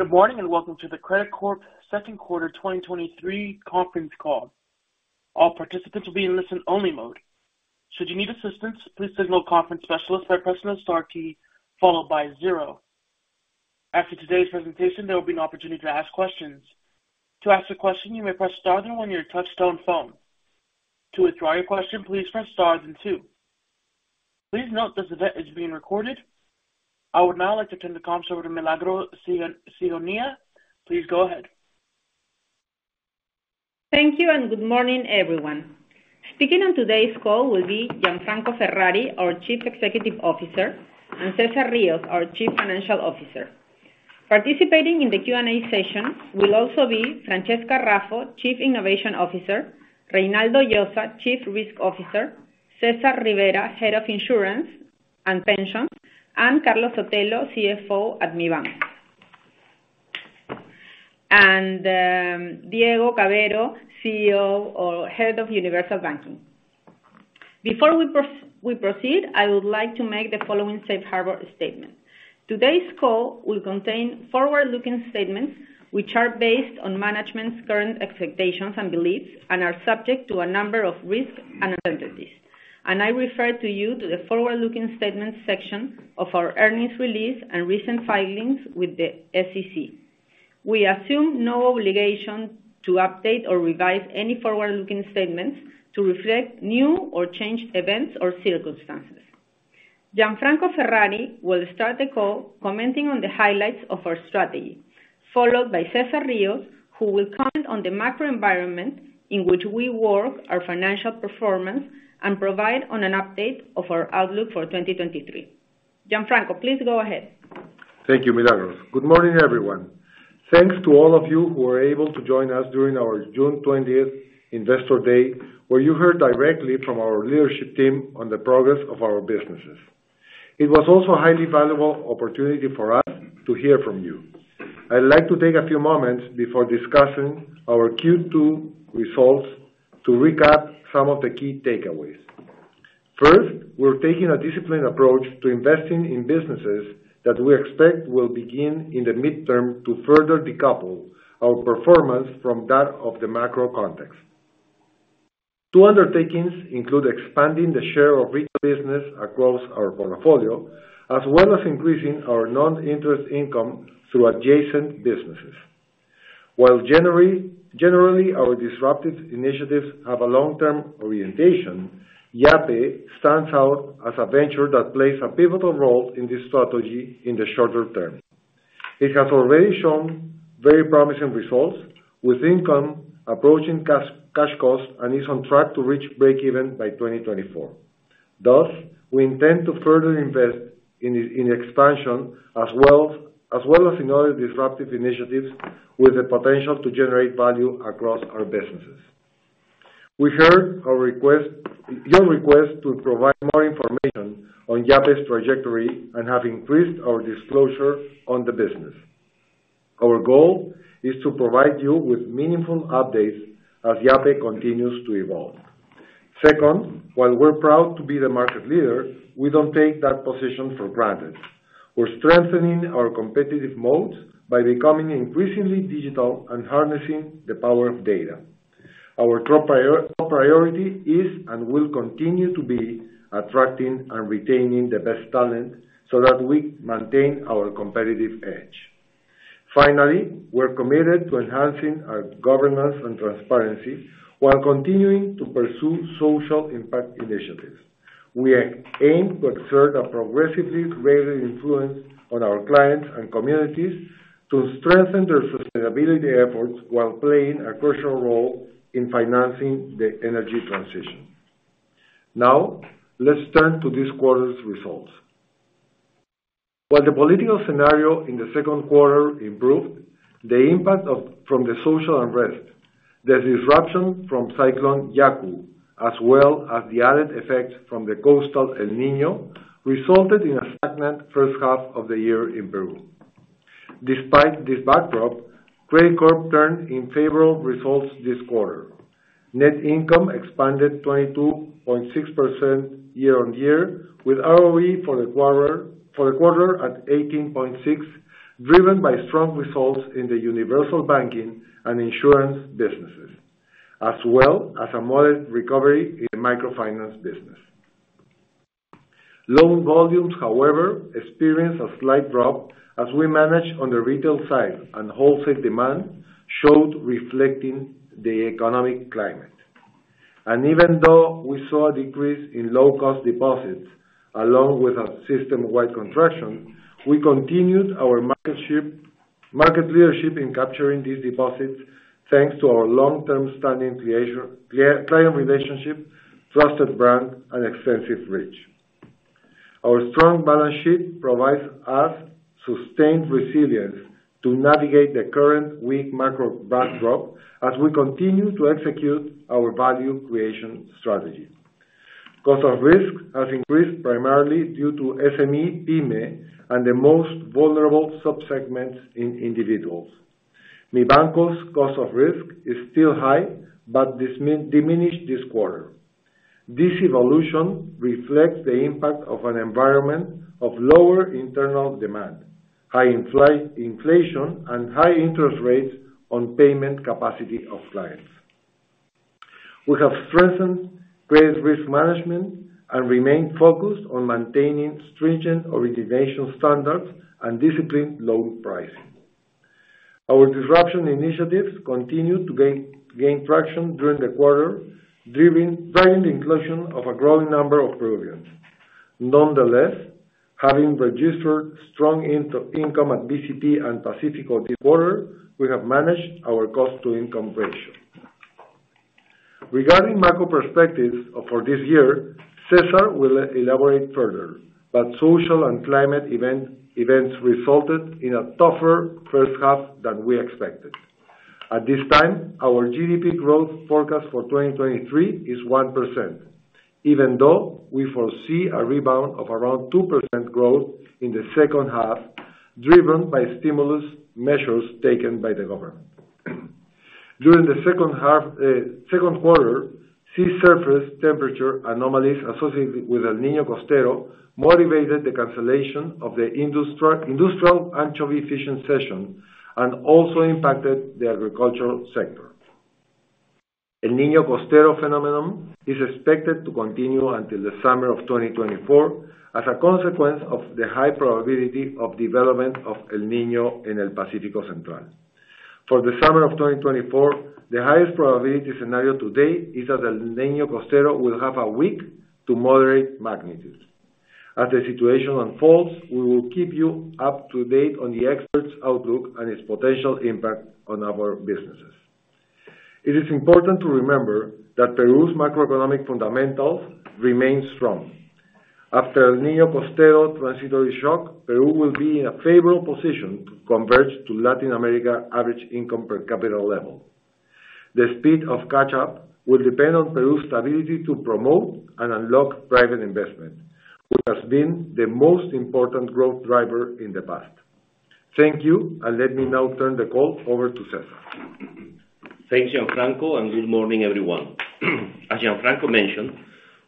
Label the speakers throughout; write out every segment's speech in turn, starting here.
Speaker 1: Good morning, and welcome to the Credicorp Q2 2023 conference call. All participants will be in listen-only mode. Should you need assistance, please signal a conference specialist by pressing the star key, followed by 0. After today's presentation, there will be an opportunity to ask questions. To ask a question, you may press star 2 on your touchtone phone. To withdraw your question, please press star then 2. Please note this event is being recorded. I would now like to turn the conference over to Milagros Ciguenas. Please go ahead.
Speaker 2: Thank you, good morning, everyone. Speaking on today's call will be Gianfranco Ferrari, our Chief Executive Officer, and Cesar Rios, our Chief Financial Officer. Participating in the Q&A session will also be Francesca Raffo, Chief Innovation Officer, Reynaldo Llosa, Chief Risk Officer, Cesar Rivera, Head of Insurance and Pensions, and Carlos Sotelo, CFO at Mibanco. Diego Cavero, CEO or Head of Universal Banking. Before we proceed, I would like to make the following safe harbor statement. Today's call will contain forward-looking statements, which are based on management's current expectations and beliefs and are subject to a number of risks and uncertainties. I refer to you to the forward-looking statements section of our earnings release and recent filings with the SEC. We assume no obligation to update or revise any forward-looking statements to reflect new or changed events or circumstances. Gianfranco Ferrari will start the call commenting on the highlights of our strategy, followed by Cesar Rios, who will comment on the macro environment in which we work, our financial performance, and provide on an update of our outlook for 2023. Gianfranco, please go ahead.
Speaker 3: Thank you, Milagros. Good morning, everyone. Thanks to all of you who were able to join us during our June twentieth Investor Day, where you heard directly from our leadership team on the progress of our businesses. It was also a highly valuable opportunity for us to hear from you. I'd like to take a few moments before discussing our Q2 results to recap some of the key takeaways. First, we're taking a disciplined approach to investing in businesses that we expect will begin in the midterm to further decouple our performance from that of the macro context. Two undertakings include expanding the share of retail business across our portfolio, as well as increasing our non-interest income through adjacent businesses. While generally, our disruptive initiatives have a long-term orientation, Yape stands out as a venture that plays a pivotal role in this strategy in the shorter term. It has already shown very promising results, with income approaching cash, cash costs and is on track to reach breakeven by 2024. Thus, we intend to further invest in expansion, as well, as well as in other disruptive initiatives with the potential to generate value across our businesses. We heard a request, your request, to provide more information on Yape's trajectory and have increased our disclosure on the business. Our goal is to provide you with meaningful updates as Yape continues to evolve. Second, while we're proud to be the market leader, we don't take that position for granted. We're strengthening our competitive modes by becoming increasingly digital and harnessing the power of data. Our top priority is, and will continue to be, attracting and retaining the best talent so that we maintain our competitive edge. We're committed to enhancing our governance and transparency while continuing to pursue social impact initiatives. We aim to exert a progressively greater influence on our clients and communities to strengthen their sustainability efforts while playing a crucial role in financing the energy transition. Let's turn to this quarter's results. While the political scenario in the Q2 improved, the impact of, from the social unrest, the disruption from Cyclone Yaku, as well as the added effect from the coastal El Niño, resulted in a stagnant H1 of the year in Peru. Despite this backdrop, Credicorp turned in favorable results this quarter. Net income expanded 22.6% year-on-year, with ROE for the quarter, for the quarter at 18.6%, driven by strong results in the universal banking and insurance businesses, as well as a modest recovery in the microfinance business. Loan volumes, however, experienced a slight drop as we managed on the retail side, and wholesale demand showed reflecting the economic climate. Even though we saw a decrease in low-cost deposits, along with a system-wide contraction, we continued our market leadership in capturing these deposits, thanks to our long-term standing client relationship, trusted brand, and extensive reach. Our strong balance sheet provides us sustained resilience to navigate the current weak macro backdrop as we continue to execute our value creation strategy. Cost of risk has increased primarily due to SME, and the most vulnerable sub-segments in individuals.... Mibanco's cost of risk is still high, but this diminished this quarter. This evolution reflects the impact of an environment of lower internal demand, high inflation, and high interest rates on payment capacity of clients. We have strengthened credit risk management and remain focused on maintaining stringent origination standards and disciplined loan pricing. Our disruption initiatives continued to gain traction during the quarter, driven by the inclusion of a growing number of provisions. Having registered strong income at BCP and Pacifico this quarter, we have managed our cost-to-income ratio. Regarding macro perspectives for this year, Cesar will elaborate further. Social and climate events resulted in a tougher H1 than we expected. At this time, our GDP growth forecast for 2023 is 1%, even though we foresee a rebound of around 2% growth in the H2, driven by stimulus measures taken by the government. During the H2, Q2, sea surface temperature anomalies associated with El Niño Costero motivated the cancellation of the industrial anchovy fishing session, and also impacted the agricultural sector. El Niño Costero phenomenon is expected to continue until the summer of 2024, as a consequence of the high probability of development of El Niño in El Pacífico Central. For the summer of 2024, the highest probability scenario today is that El Niño Costero will have a weak to moderate magnitude. As the situation unfolds, we will keep you up to date on the expert's outlook and its potential impact on our businesses. It is important to remember that Peru's macroeconomic fundamentals remain strong. After El Niño Costero transitory shock, Peru will be in a favorable position to converge to Latin America average income per capita level. The speed of catch-up will depend on Peru's ability to promote and unlock private investment, which has been the most important growth driver in the past. Thank you, and let me now turn the call over to Cesar.
Speaker 4: Thanks, Gianfranco, and good morning, everyone. As Gianfranco mentioned,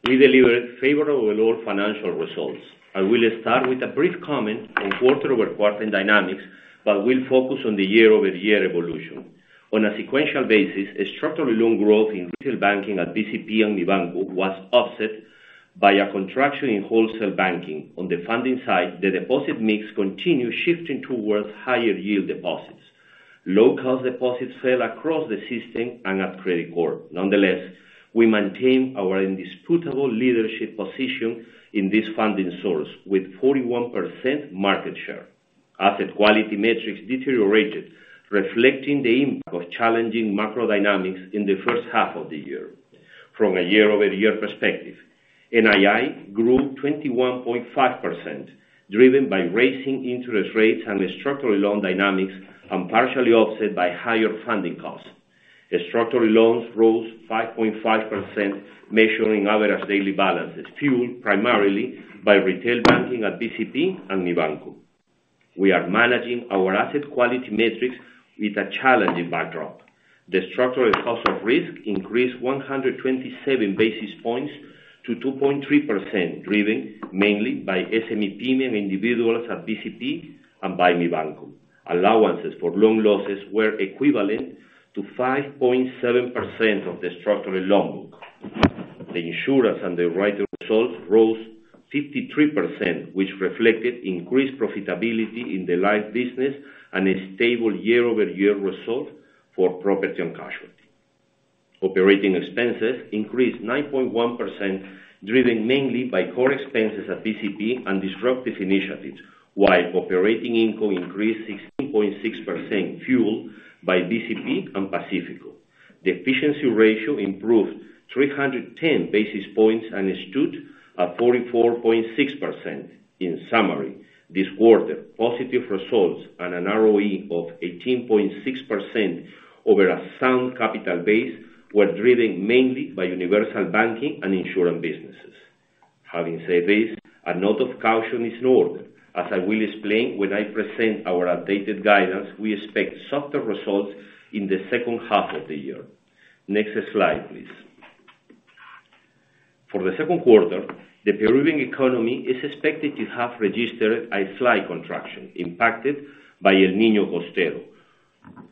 Speaker 4: we delivered favorable lower financial results. I will start with a brief comment on quarter-over-quarter dynamics, but will focus on the year-over-year evolution. On a sequential basis, a structural loan growth in retail banking at BCP and Mibanco was offset by a contraction in wholesale banking. On the funding side, the deposit mix continued shifting towards higher yield deposits. Low-cost deposits fell across the system and at Credicorp. Nonetheless, we maintain our indisputable leadership position in this funding source, with 41% market share. Asset quality metrics deteriorated, reflecting the impact of challenging macro dynamics in the H1 of the year. From a year-over-year perspective, NII grew 21.5%, driven by raising interest rates and structural loan dynamics, and partially offset by higher funding costs. Structural loans rose 5.5%, measuring average daily balances, fueled primarily by retail banking at BCP and Mibanco. We are managing our asset quality metrics with a challenging backdrop. The structural cost of risk increased 127 basis points to 2.3%, driven mainly by SME-PYME and individuals at BCP and by Mibanco. Allowances for loan losses were equivalent to 5.7% of the structural loan book. The insurance and the right results rose 53%, which reflected increased profitability in the life business, and a stable year-over-year result for property and casualty. Operating expenses increased 9.1%, driven mainly by core expenses at BCP and disruptive initiatives, while operating income increased 16.6%, fueled by BCP and Pacifico. The efficiency ratio improved 310 basis points, and it stood at 44.6%. In summary, this quarter, positive results and an ROE of 18.6% over a sound capital base, were driven mainly by universal banking and insurance businesses. Having said this, a note of caution is in order. As I will explain when I present our updated guidance, we expect softer results in the H2 of the year. Next slide, please. For the Q2, the Peruvian economy is expected to have registered a slight contraction, impacted by El Niño Costero,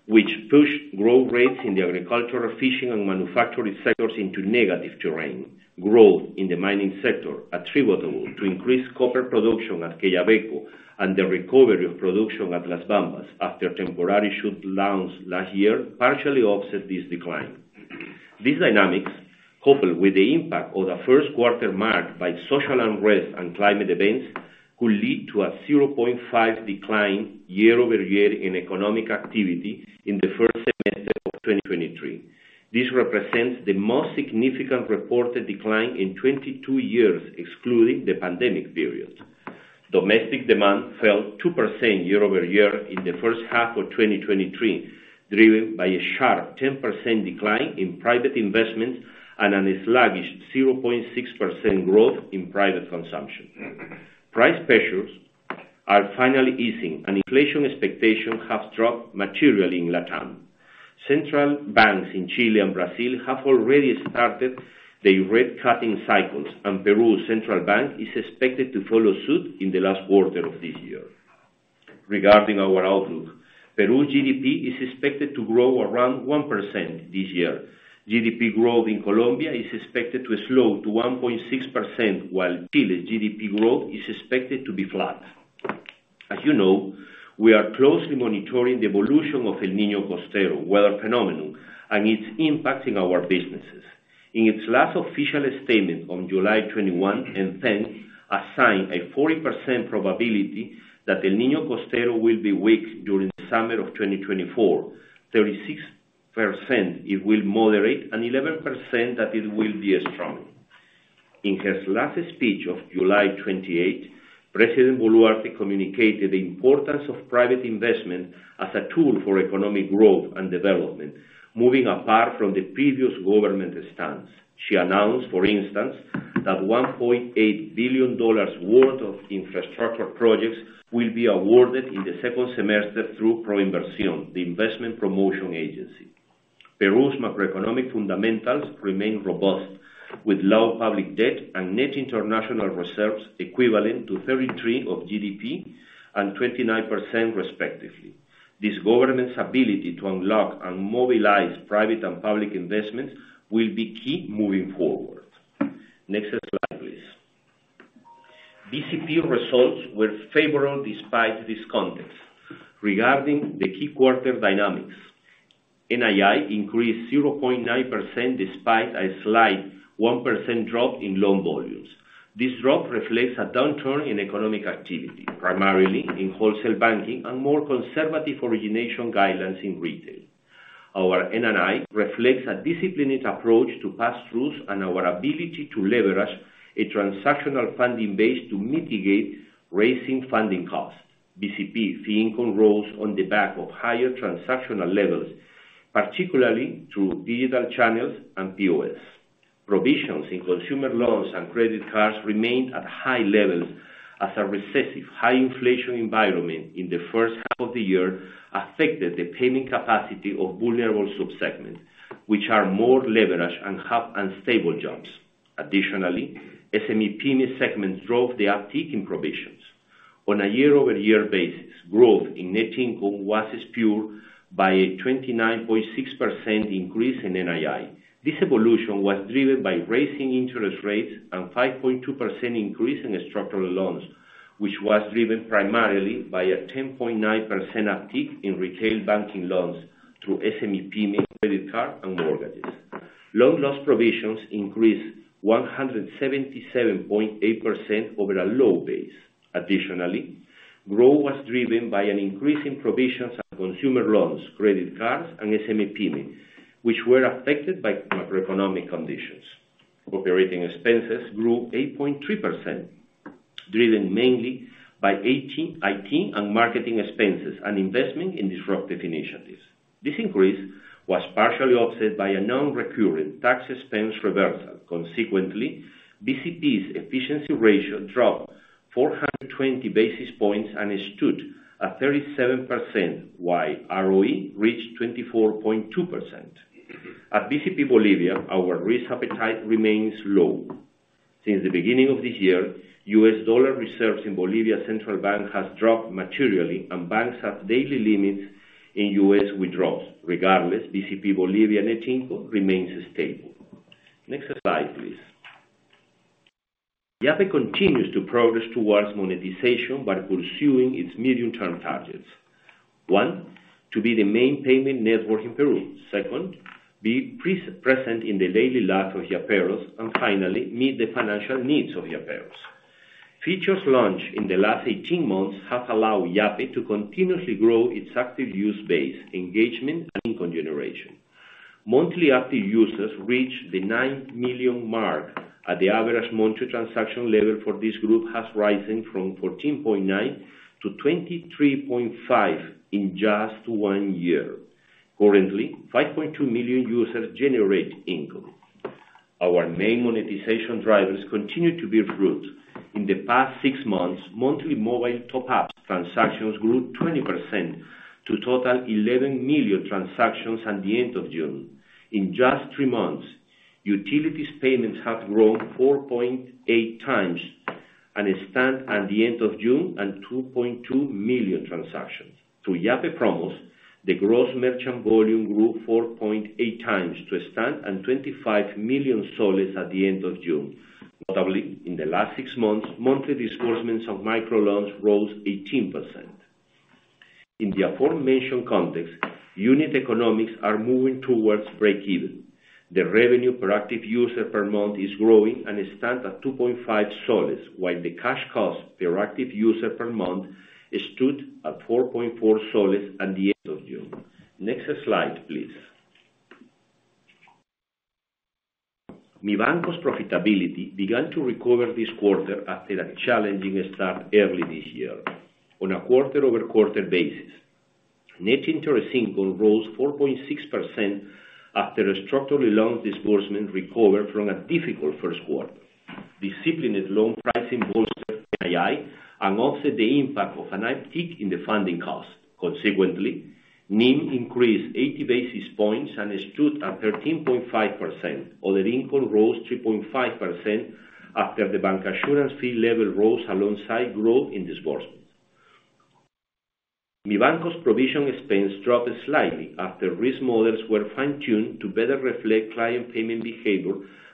Speaker 4: which pushed growth rates in the agricultural, fishing, and manufacturing sectors into negative terrain. Growth in the mining sector, attributable to increased copper production at Quellaveco and the recovery of production at Las Bambas after a temporary shut down last year, partially offset this decline. These dynamics, coupled with the impact of the Q1 marked by social unrest and climate events, could lead to a 0.5 decline year-over-year in economic activity in the first semester of 2023. This represents the most significant reported decline in 22 years, excluding the pandemic period. Domestic demand fell 2% year-over-year in the H1 of 2023, driven by a sharp 10% decline in private investment and an sluggish 0.6% growth in private consumption. Price pressures are finally easing, and inflation expectations have dropped materially in LatAm. Central banks in Chile and Brazil have already started their rate cutting cycles, and Peru's central bank is expected to follow suit in the last quarter of this year. Regarding our outlook, Peru GDP is expected to grow around 1% this year. GDP growth in Colombia is expected to slow to 1.6%, while Chile GDP growth is expected to be flat. As you know, we are closely monitoring the evolution of El Niño Costero weather phenomenon and its impact in our businesses. In its last official statement on July 21, ENFEN assigned a 40% probability that El Niño Costero will be weak during the summer of 2024, 36% it will moderate, and 11% that it will be strong. In her last speech of July 28, President Boluarte communicated the importance of private investment as a tool for economic growth and development, moving apart from the previous government stance. She announced, for instance, that $1.8 billion worth of infrastructure projects will be awarded in the second semester through ProInversión, the Investment Promotion Agency. Peru's macroeconomic fundamentals remain robust, with low public debt and net international reserves equivalent to 33 of GDP and 29% respectively. This government's ability to unlock and mobilize private and public investments will be key moving forward. Next slide, please. BCP results were favorable despite this context. Regarding the key quarter dynamics, NII increased 0.9%, despite a slight 1% drop in loan volumes. This drop reflects a downturn in economic activity, primarily in wholesale banking and more conservative origination guidelines in retail. Our NNI reflects a disciplined approach to pass throughs and our ability to leverage a transactional funding base to mitigate raising funding costs. BCP fee income rolls on the back of higher transactional levels, particularly through digital channels and POS. Provisions in consumer loans and credit cards remained at high levels as a recessive, high inflation environment in the H1 of the year affected the payment capacity of vulnerable subsegments, which are more leveraged and have unstable jobs. Additionally, SME segment drove the uptick in provisions. On a year-over-year basis, growth in net income was spewed by a 29.6% increase in NII. This evolution was driven by raising interest rates and 5.2% increase in structural loans, which was driven primarily by a 10.9% uptick in retail banking loans through SME payment, credit card, and mortgages. Loan loss provisions increased 177.8% over a low base. Additionally, growth was driven by an increase in provisions and consumer loans, credit cards, and SME payments, which were affected by macroeconomic conditions. Operating expenses grew 8.3%, driven mainly by IT and marketing expenses, and investment in disruptive initiatives. This increase was partially offset by a non-recurring tax expense reversal. Consequently, BCP's efficiency ratio dropped 420 basis points and stood at 37%, while ROE reached 24.2%. At BCP Bolivia, our risk appetite remains low. Since the beginning of this year, U.S. dollar reserves in Bolivia's Central Bank has dropped materially, and banks have daily limits in U.S. withdrawals. Regardless, BCP Bolivia Net Income remains stable. Next slide, please. Yape continues to progress towards monetization by pursuing its medium-term targets. One. To be the main payment network in Peru. Second, be present in the daily life of Yaperos, and finally, meet the financial needs of Yaperos. Features launched in the last 18 months have allowed Yape to continuously grow its active user base, engagement, and income generation. Monthly active users reached the 9 million mark, and the average monthly transaction level for this group has risen from 14.9 to 23.5 in just 1 year. Currently, 5.2 million users generate income. Our main monetization drivers continue to bear fruit. In the past 6 months, monthly mobile top-up transactions grew 20% to total 11 million transactions at the end of June. In just 3 months, utilities payments have grown 4.8 times, and stand at the end of June at 2.2 million transactions. Through Yape Promos, the gross merchant volume grew 4.8 times to stand at PEN 25 million at the end of June. Notably, in the last six months, monthly disbursements of microloans rose 18%. In the aforementioned context, unit economics are moving towards break even. The revenue per active user per month is growing and stands at PEN 2.5 soles, while the cash cost per active user per month stood at PEN 4.4 soles at the end of June. Next slide, please. Mibanco's profitability began to recover this quarter after a challenging start early this year. On a quarter-over-quarter basis, Net Interest Income rose 4.6% after a structural loan disbursement recovered from a difficult Q1. Disciplined loan pricing bolstered NII and offset the impact of an uptick in the funding cost. Consequently, NIM increased 80 basis points and stood at 13.5%. Other Income rose 3.5% after the Bancassurance fee level rose alongside growth in disbursements. Mibanco's provision expense dropped slightly after risk models were fine-tuned to better reflect client payment behavior,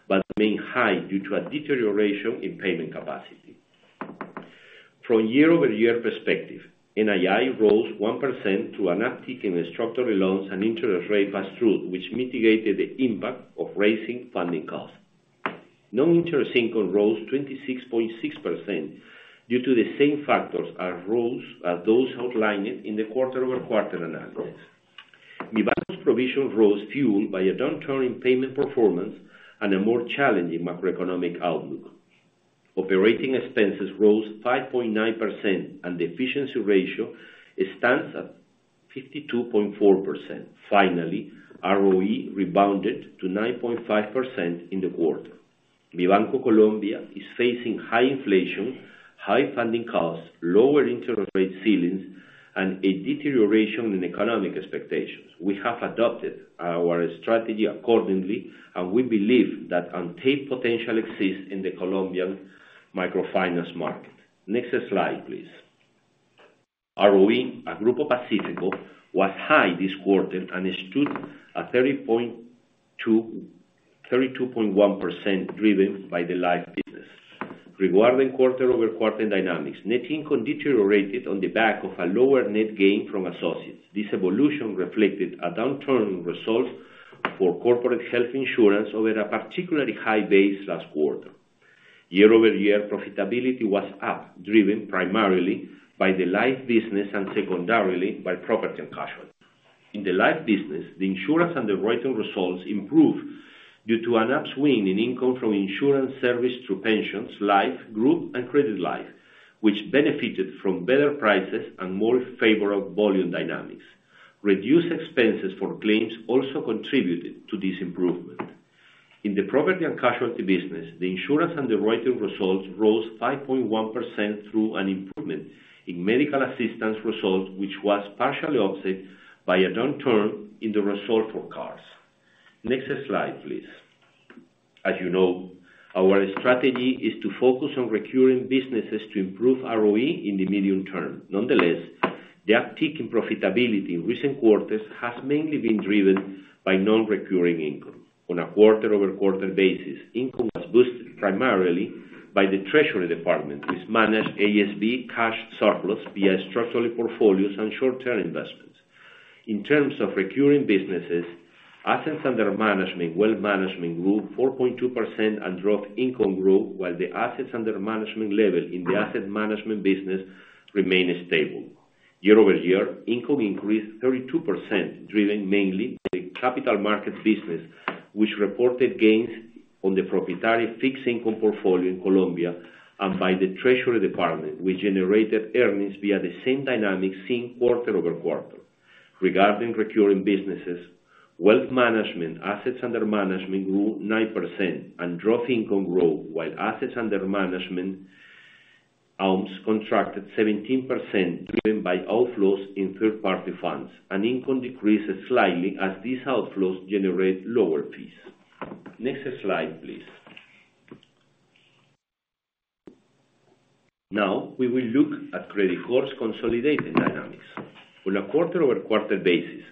Speaker 4: but remain high due to a deterioration in payment capacity. From year-over-year perspective, NII rose 1% to an uptick in structural loans and interest rate pass-through, which mitigated the impact of raising funding costs. Non-interest income rose 26.6% due to the same factors as rose, as those outlined in the quarter-over-quarter analysis. Mibanco's provision rose, fueled by a downturn in payment performance and a more challenging macroeconomic outlook. Operating expenses rose 5.9%, and the efficiency ratio stands at 52.4%. Finally, ROE rebounded to 9.5% in the quarter. Mibanco Colombia is facing high inflation, high funding costs, lower interest rate ceilings, and a deterioration in economic expectations. We have adopted our strategy accordingly, we believe that untapped potential exists in the Colombian microfinance market. Next slide, please. ROE at Grupo Pacifico was high this quarter and stood at 32.1%, driven by the life business. Regarding quarter-over-quarter dynamics, net income deteriorated on the back of a lower net gain from associates. This evolution reflected a downturn in results for corporate health insurance over a particularly high base last quarter. Year-over-year profitability was up, driven primarily by the life business and secondarily by property and casualty. In the life business, the insurance underwriter results improved due to an upswing in income from insurance service through pensions, life, group, and credit life, which benefited from better prices and more favorable volume dynamics. Reduced expenses for claims also contributed to this improvement. In the property and casualty business, the insurance underwriter results rose 5.1% through an improvement in medical assistance results, which was partially offset by a downturn in the result for cars. Next slide, please. As you know, our strategy is to focus on recurring businesses to improve ROE in the medium term. Nonetheless, the uptick in profitability in recent quarters has mainly been driven by non-recurring income. On a quarter-over-quarter basis, income was boosted primarily by the treasury department, which managed ASB cash surplus via structural portfolios and short-term investments. In terms of recurring businesses, assets under management, wealth management grew 4.2% and drove income growth, while the assets under management level in the asset management business remained stable. Year-over-year, income increased 32%, driven mainly by the capital markets business, which reported gains on the proprietary fixed income portfolio in Colombia, and by the treasury department, which generated earnings via the same dynamics seen quarter-over-quarter. Regarding recurring businesses, wealth management, assets under management grew 9% and drove income growth, while assets under management, AUM's contracted 17%, driven by outflows in third-party funds, and income decreased slightly as these outflows generate lower fees. Next slide, please. We will look at Credicorp's consolidated dynamics. On a quarter-over-quarter basis,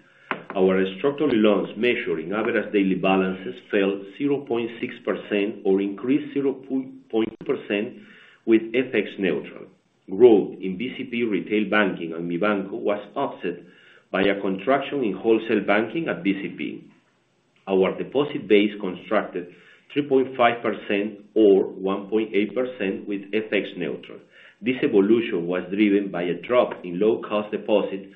Speaker 4: our structural loans measuring average daily balances fell 0.6% or increased 0.2% with FX neutral. Growth in BCP retail banking on Mibanco was offset by a contraction in wholesale banking at BCP. Our deposit base contracted 3.5% or 1.8% with FX neutral. This evolution was driven by a drop in low-cost deposits,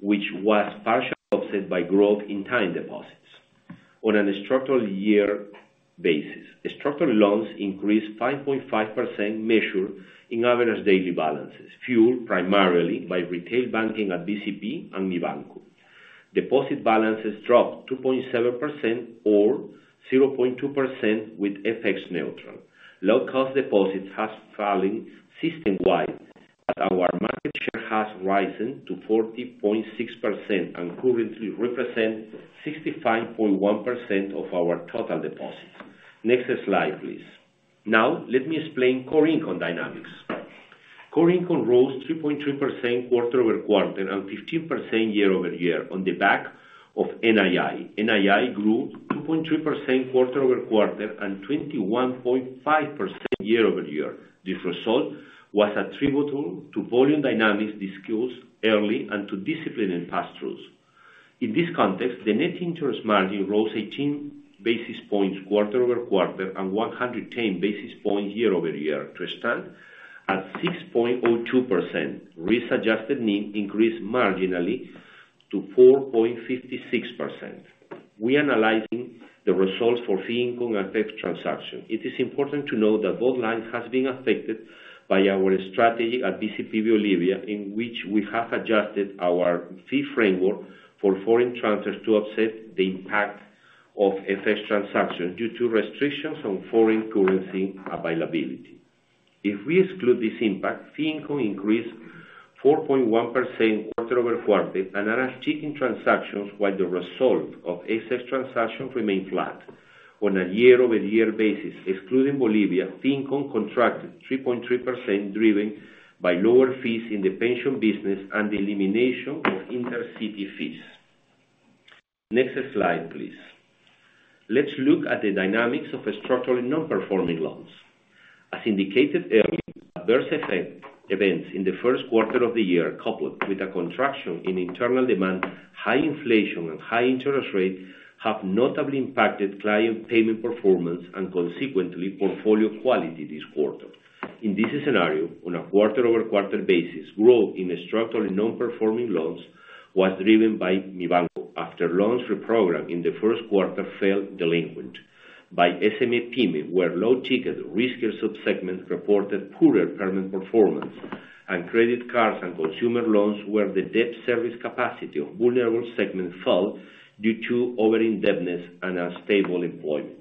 Speaker 4: which was partially offset by growth in time deposits. On a structural year-basis, structural loans increased 5.5%, measured in average daily balances, fueled primarily by retail banking at BCP and Mibanco. Deposit balances dropped 2.7% or 0.2% with F.X. neutral. Low-cost deposits has fallen system-wide, but our market share has risen to 40.6% and currently represent 65.1% of our total deposits. Next slide, please. Now, let me explain core income dynamics. Core income rose 3.2% quarter-over-quarter and 15% year-over-year on the back of NII. NII grew 2.3% quarter-over-quarter and 21.5% year-over-year. This result was attributable to volume dynamics discussed early and to disciplined pass-throughs. In this context, the net interest margin rose 18 basis points quarter-over-quarter and 110 basis points year-over-year, to stand at 6.02%. Risk-adjusted NIM increased marginally to 4.56%. We are analyzing the results for fee income and tax transaction. It is important to note that both lines have been affected by our strategy at BCP Bolivia, in which we have adjusted our fee framework for foreign transfers to offset the impact of FX transactions due to restrictions on foreign currency availability. If we exclude this impact, fee income increased 4.1% quarter-over-quarter, and an uptick in transactions while the result of excess transactions remained flat. On a year-over-year basis, excluding Bolivia, fee income contracted 3.3%, driven by lower fees in the pension business and the elimination of inter-city fees. Next slide, please. Let's look at the dynamics of structural non-performing loans. As indicated earlier, adverse effect, events in the Q1 of the year, coupled with a contraction in internal demand, high inflation, and high interest rates, have notably impacted client payment performance and consequently, portfolio quality this quarter. In this scenario, on a quarter-over-quarter basis, growth in structural non-performing loans was driven by Mibanco, after loans reprogrammed in the Q1 fell delinquent. By SME-PYME, where low-ticket, riskier sub-segments reported poorer payment performance, and credit cards and consumer loans, where the debt service capacity of vulnerable segments fell due to over-indebtedness and unstable employment.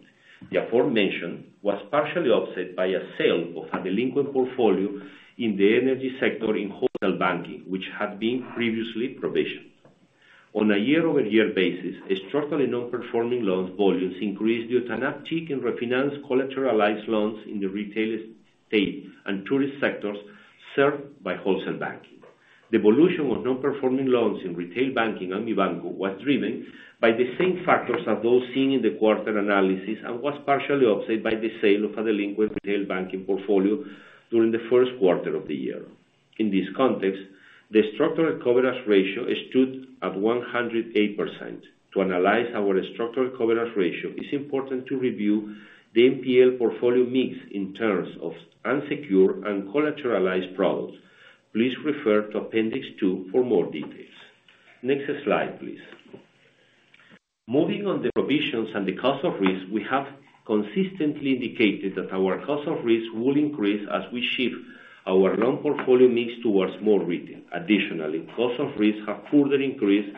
Speaker 4: The aforementioned was partially offset by a sale of a delinquent portfolio in the energy sector in wholesale banking, which had been previously provisioned. On a year-over-year basis, structural non-performing loans volumes increased due to an uptick in refinanced collateralized loans in the retail estate and tourist sectors served by wholesale banking. The evolution of non-performing loans in retail banking and Mibanco was driven by the same factors as those seen in the quarter analysis, was partially offset by the sale of a delinquent retail banking portfolio during the Q1 of the year. In this context, the structural coverage ratio stood at 108%. To analyze our structural coverage ratio, it's important to review the NPL portfolio mix in terms of unsecured and collateralized products. Please refer to Appendix Two for more details. Next slide, please. Moving on the provisions and the cost of risk, we have consistently indicated that our cost of risk will increase as we shift our loan portfolio mix towards more retail. Cost of risk have further increased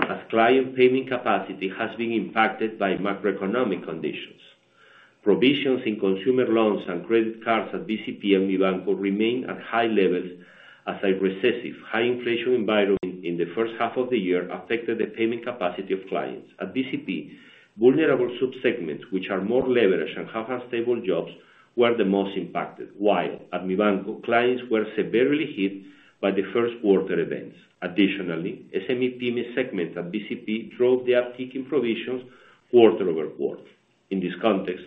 Speaker 4: as client payment capacity has been impacted by macroeconomic conditions. Provisions in consumer loans and credit cards at BCP and Mibanco remain at high levels, as a recessive, high inflation environment in the H1 of the year affected the payment capacity of clients. At BCP, vulnerable sub-segments, which are more leveraged and have unstable jobs, were the most impacted, while at Mibanco, clients were severely hit by the Q1 events. SME-PYME segment at BCP drove the uptick in provisions quarter-over-quarter. In this context,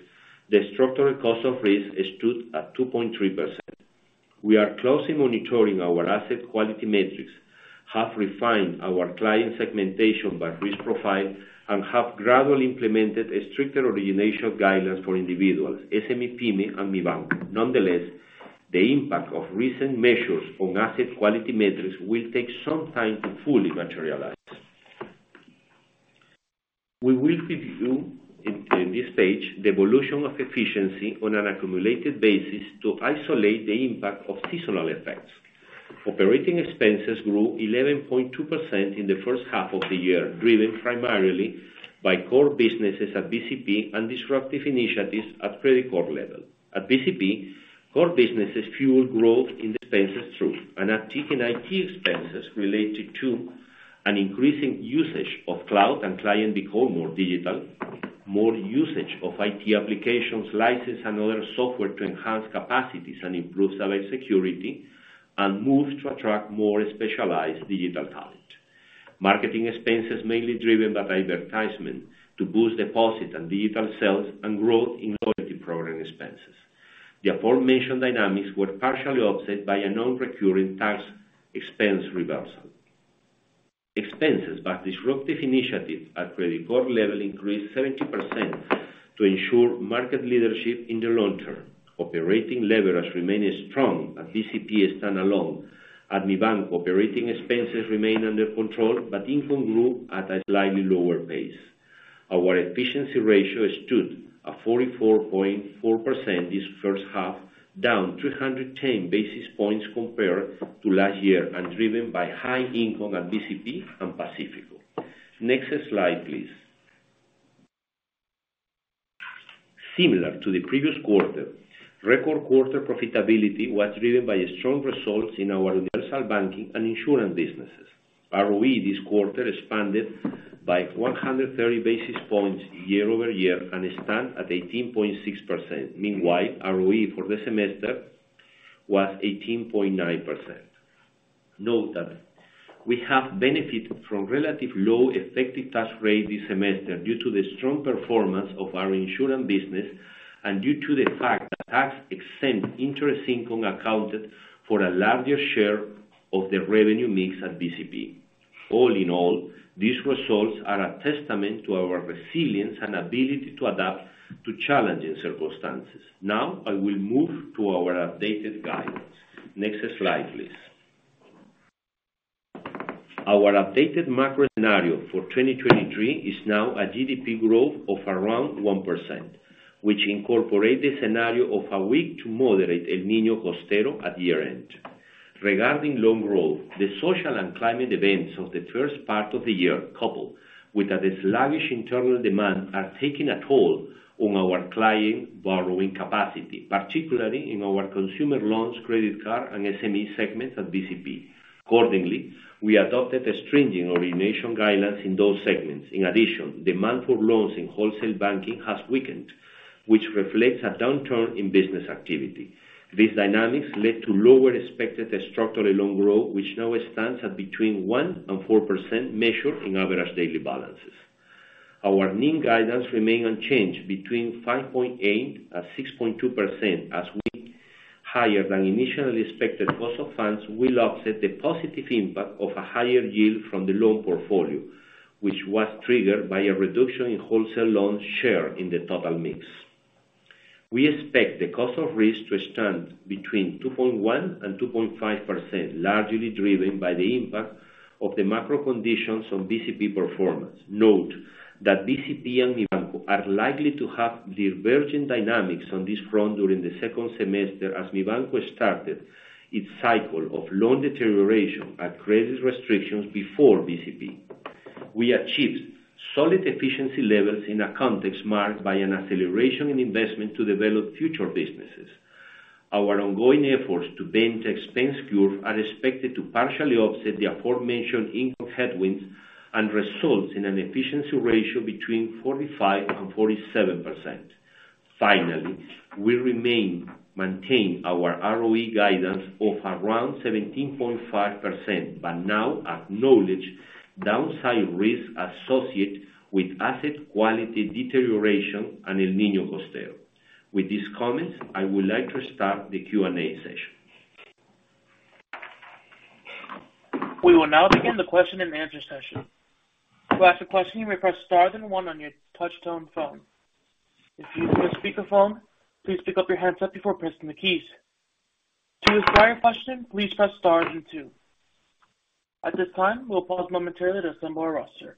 Speaker 4: the structural cost of risk stood at 2.3%. We are closely monitoring our asset quality metrics, have refined our client segmentation by risk profile, and have gradually implemented a stricter origination guidelines for individuals, SME-PYME and Mibanco. Nonetheless, the impact of recent measures on asset quality metrics will take some time to fully materialize. We will review in this page, the evolution of efficiency on an accumulated basis to isolate the impact of seasonal effects. Operating expenses grew 11.2% in the H1 of the year, driven primarily by core businesses at BCP and disruptive initiatives at Credicorp level. At BCP, core businesses fueled growth in expenses through an uptick in IT expenses related to an increasing usage of cloud and client become more digital, more usage of IT applications, license and other software to enhance capacities and improve cybersecurity, and moves to attract more specialized digital talent. Marketing expenses mainly driven by advertisement to boost deposits and digital sales, and growth in loyalty program expenses. The aforementioned dynamics were partially offset by a non-recurring tax expense reversal. Expenses by disruptive initiatives at Credicorp level increased 70% to ensure market leadership in the long term. Operating leverage remained strong, BCP stand alone. At Mibanco, operating expenses remained under control, but income grew at a slightly lower pace. Our efficiency ratio stood at 44.4% this H1, down 310 basis points compared to last year, and driven by high income at BCP and Pacifico. Next slide, please. Similar to the previous quarter, record quarter profitability was driven by strong results in our universal banking and insurance businesses. ROE this quarter expanded by 130 basis points year-over-year, and stand at 18.6%. Meanwhile, ROE for the semester was 18.9%. Note that we have benefited from relative low effective tax rate this semester, due to the strong performance of our insurance business, and due to the fact that tax-exempt interest income accounted for a larger share of the revenue mix at BCP. All in all, these results are a testament to our resilience and ability to adapt to challenging circumstances. Now, I will move to our updated guidance. Next slide, please. Our updated macro scenario for 2023 is now a GDP growth of around 1%, which incorporates the scenario of a weak to moderate El Nino Costero at year-end. Regarding loan growth, the social and climate events of the first part of the year, coupled with a sluggish internal demand, are taking a toll on our client borrowing capacity, particularly in our consumer loans, credit card, and SME segments at BCP. Accordingly, we adopted a stringent origination guidelines in those segments. In addition, demand for loans in wholesale banking has weakened, which reflects a downturn in business activity. These dynamics led to lower expected structural loan growth, which now stands at between 1% and 4%, measured in average daily balances. Our NII guidance remain unchanged between 5.8% and 6.2%, as we higher than initially expected cost of funds will offset the positive impact of a higher yield from the loan portfolio, which was triggered by a reduction in wholesale loan share in the total mix. We expect the cost of risk to stand between 2.1% and 2.5%, largely driven by the impact of the macro conditions on BCP performance. Note that BCP and Mibanco are likely to have divergent dynamics on this front during the 2nd semester, as Mibanco started its cycle of loan deterioration and credit restrictions before BCP. We achieved solid efficiency levels in a context marked by an acceleration in investment to develop future businesses. Our ongoing efforts to bend the expense curve are expected to partially offset the aforementioned income headwinds, and results in an efficiency ratio between 45% and 47%. Finally, maintain our ROE guidance of around 17.5%, but now acknowledge downside risk associated with asset quality deterioration and El Nino Costero. With these comments, I would like to start the Q&A session.
Speaker 1: We will now begin the question-and-answer session. To ask a question, you may press star then one on your touch-tone phone. If you are on a speakerphone, please pick up your handset before pressing the keys. To withdraw your question, please press star then two. At this time, we'll pause momentarily to assemble our roster.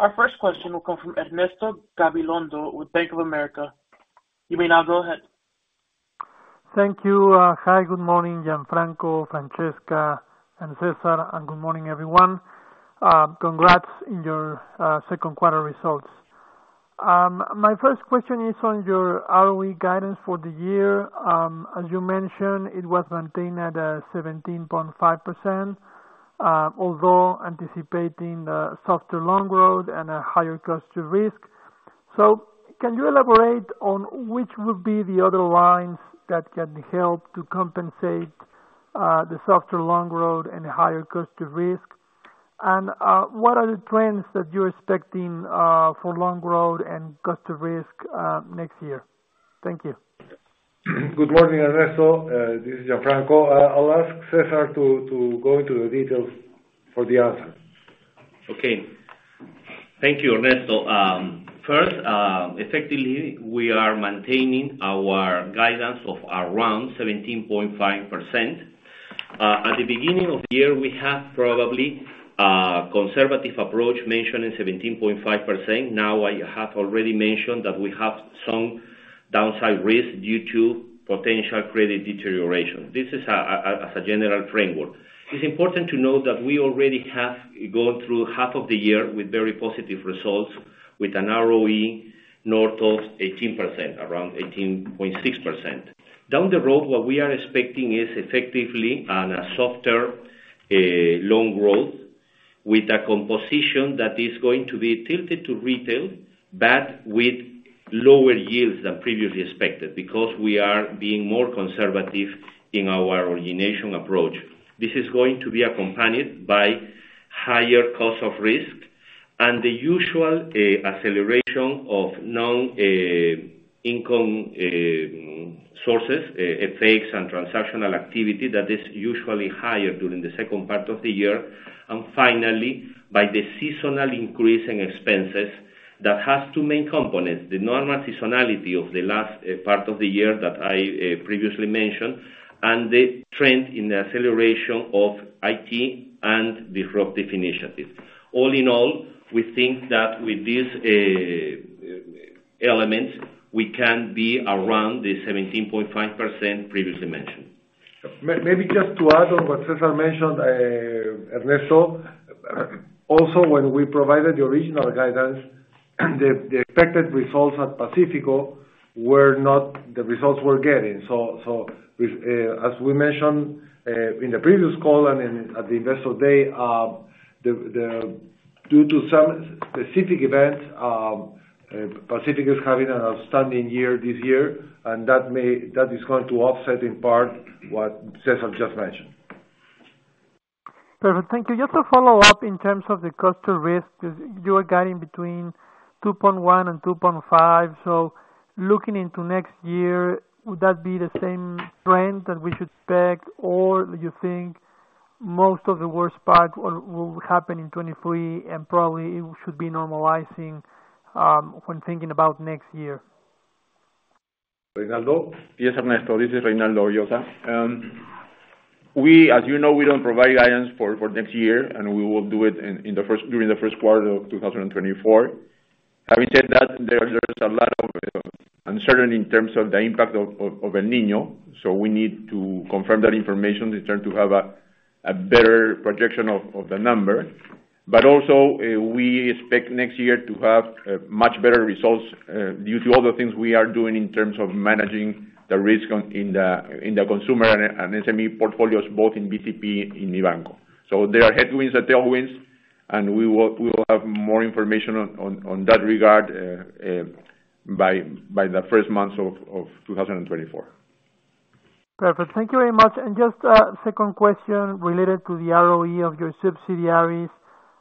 Speaker 1: Our first question will come from Ernesto Gabilondo with Bank of America. You may now go ahead.
Speaker 5: Thank you. Hi, good morning, Gianfranco, Francesca, and Cesar, and good morning, everyone. Congrats in your Q2 results. My first question is on your ROE guidance for the year. As you mentioned, it was maintained at 17.5%, although anticipating a softer loan growth and a higher cost to risk. Can you elaborate on which will be the other lines that can help to compensate the softer loan growth and higher cost to risk? What are the trends that you're expecting for loan growth and cost of risk next year? Thank you.
Speaker 3: Good morning, Ernesto, this is Gianfranco. I'll ask Cesar to, to go into the details for the answer.
Speaker 4: Okay. Thank you, Ernesto. Effectively, we are maintaining our guidance of around 17.5%. At the beginning of the year, we had probably a conservative approach, mentioning 17.5%. Now, I have already mentioned that we have some downside risk due to potential credit deterioration. This is as a general framework. It's important to note that we already have gone through half of the year with very positive results, with an ROE north of 18%, around 18.6%. Down the road, what we are expecting is effectively on a softer loan growth, with a composition that is going to be tilted to retail, but with lower yields than previously expected, because we are being more conservative in our origination approach. This is going to be accompanied by higher cost of risk and the usual acceleration of non income sources effects, and transactional activity that is usually higher during the second part of the year. Finally, by the seasonal increase in expenses, that has two main components: the normal seasonality of the last part of the year that I previously mentioned, and the trend in the acceleration of IT and disruptive initiatives. All in all, we think that with these elements, we can be around the 17.5% previously mentioned.
Speaker 3: May- maybe just to add on what Cesar mentioned, Ernesto, also, when we provided the original guidance, the, the expected results at Pacifico were not the results we're getting. So with, as we mentioned, in the previous call and in, at the Investor Day, the, the, due to some specific events, Pacifico is having an outstanding year this year, and that may, that is going to offset, in part, what Cesar just mentioned.
Speaker 5: Perfect. Thank you. Just to follow up in terms of the Cost of risk, you are guiding between 2.1% and 2.5%. Looking into next year, would that be the same trend that we should expect, or you think most of the worst part will happen in 2023, and probably it should be normalizing when thinking about next year? ...
Speaker 3: Reynaldo?
Speaker 6: Yes, Ernesto, this is Reynaldo Llosa. We, as you know, we don't provide guidance for, for next year, and we will do it in, in the first, during the Q1 of 2024. Having said that, there, there's a lot of uncertainty in terms of the impact of El Niño, so we need to confirm that information in turn to have a better projection of the number. Also, we expect next year to have much better results due to all the things we are doing in terms of managing the risk on- in the, in the consumer and SME portfolios, both in BCP, in Mibanco. There are headwinds and tailwinds, and we will, we will have more information on, on, on that regard, by, by the first months of, of 2024.
Speaker 5: Perfect. Thank you very much. Just a second question related to the ROE of your subsidiaries.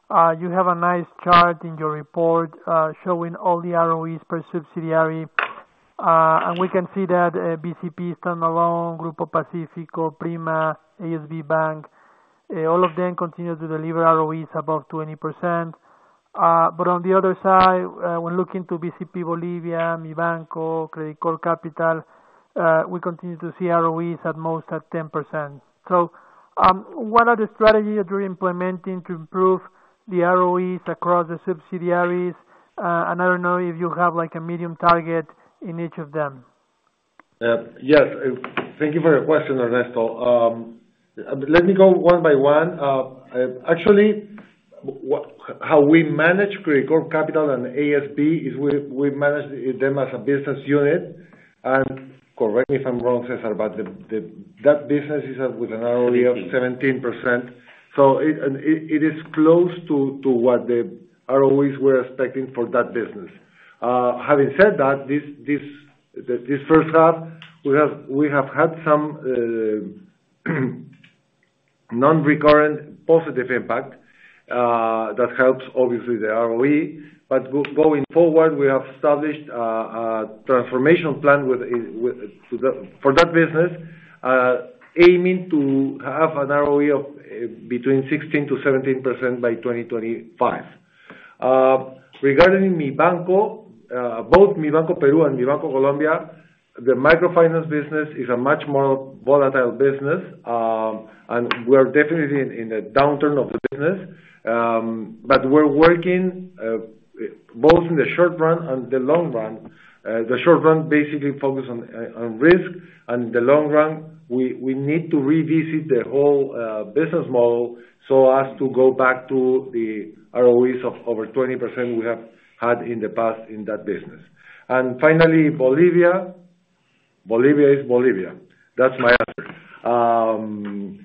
Speaker 5: You have a nice chart in your report, showing all the ROEs per subsidiary. We can see that BCP standalone, Grupo Pacifico, Prima, ASB Bank, all of them continue to deliver ROEs above 20%. On the other side, when looking to BCP Bolivia, Mibanco, Credicorp Capital, we continue to see ROEs at most at 10%. What are the strategies you're implementing to improve the ROEs across the subsidiaries? I don't know if you have, like, a medium target in each of them.
Speaker 3: Yes. Thank you for your question, Ernesto. Let me go one by one. Actually, how we manage Credicorp Capital and ASB, is we manage them as a business unit. Correct me if I'm wrong, Cesar, but that business is at with an ROE of 17%. It is close to what the ROEs we're expecting for that business. Having said that, this H1, we had some non-recurrent positive impact that helps obviously the ROE. Going forward, we have established a transformation plan for that business, aiming to have an ROE of between 16%-17% by 2025. Regarding Mibanco, both Mibanco Peru and Mibanco Colombia, the microfinance business is a much more volatile business. We're definitely in, in a downturn of the business. We're working, both in the short run and the long run. The short run, basically focused on, on risk, and the long run, we, we need to revisit the whole business model so as to go back to the ROEs of over 20% we have had in the past in that business. Finally, Bolivia. Bolivia is Bolivia. That's my answer.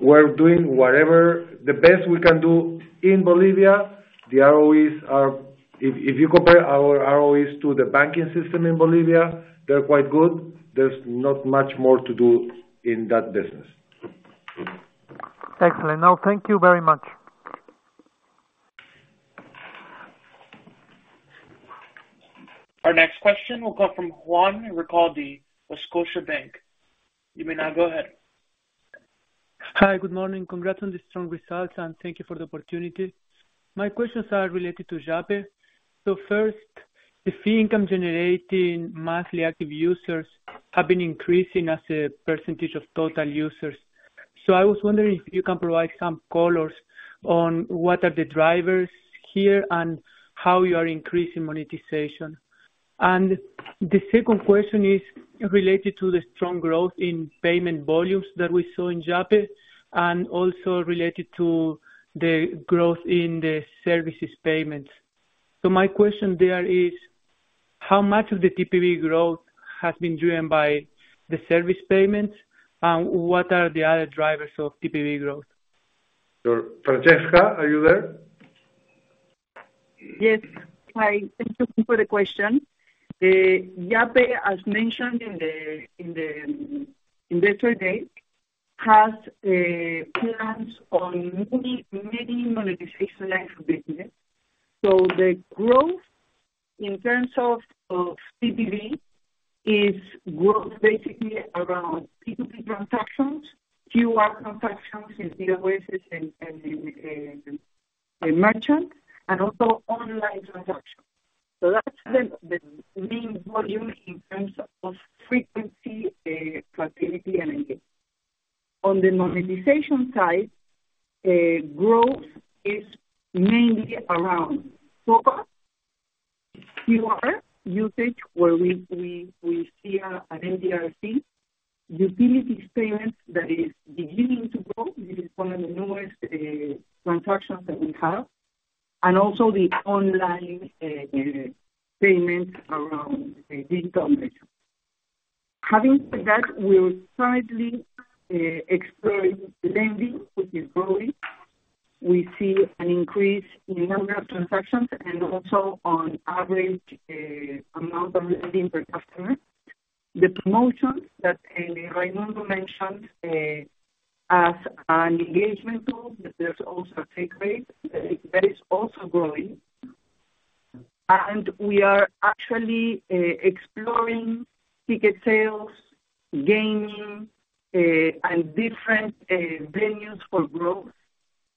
Speaker 3: We're doing whatever the best we can do in Bolivia. The ROEs are... If, if you compare our ROEs to the banking system in Bolivia, they're quite good. There's not much more to do in that business.
Speaker 5: Excellent. Now thank you very much.
Speaker 1: Our next question will come from Juan Recalde of Scotiabank. You may now go ahead.
Speaker 7: Hi, good morning. Congrats on the strong results, and thank you for the opportunity. My questions are related to Yape. First, the fee income generating monthly active users have been increasing as a percentage of total users. I was wondering if you can provide some colors on what are the drivers here, and how you are increasing monetization. The second question is related to the strong growth in payment volumes that we saw in Yape, and also related to the growth in the services payments. My question there is: How much of the TPV growth has been driven by the service payments, and what are the other drivers of TPV growth?
Speaker 3: Francesca, are you there?
Speaker 8: Yes. Hi, thank you for the question. Yape, as mentioned in the, in the, in investor deck, has plans on many, many monetization lines of business. The growth, in terms of, of TPV, is growth basically around P2P transactions, QR transactions in POS and merchants, and also online transactions. That's the, the main volume in terms of frequency, activity, and engagement. On the monetization side, growth is mainly around four in QR usage, where we, we, we see a, an MDR. Utility payments, that is beginning to grow. This is one of the newest transactions that we have, and also the online payments around digital measure. Having said that, we'll slightly explore lending, which is growing. We see an increase in number of transactions and also on average, amount of lending per customer. The promotions that, Reynaldo mentioned, as an engagement tool, that there's also take rate, that is also growing. We are actually, exploring ticket sales, gaming, and different, venues for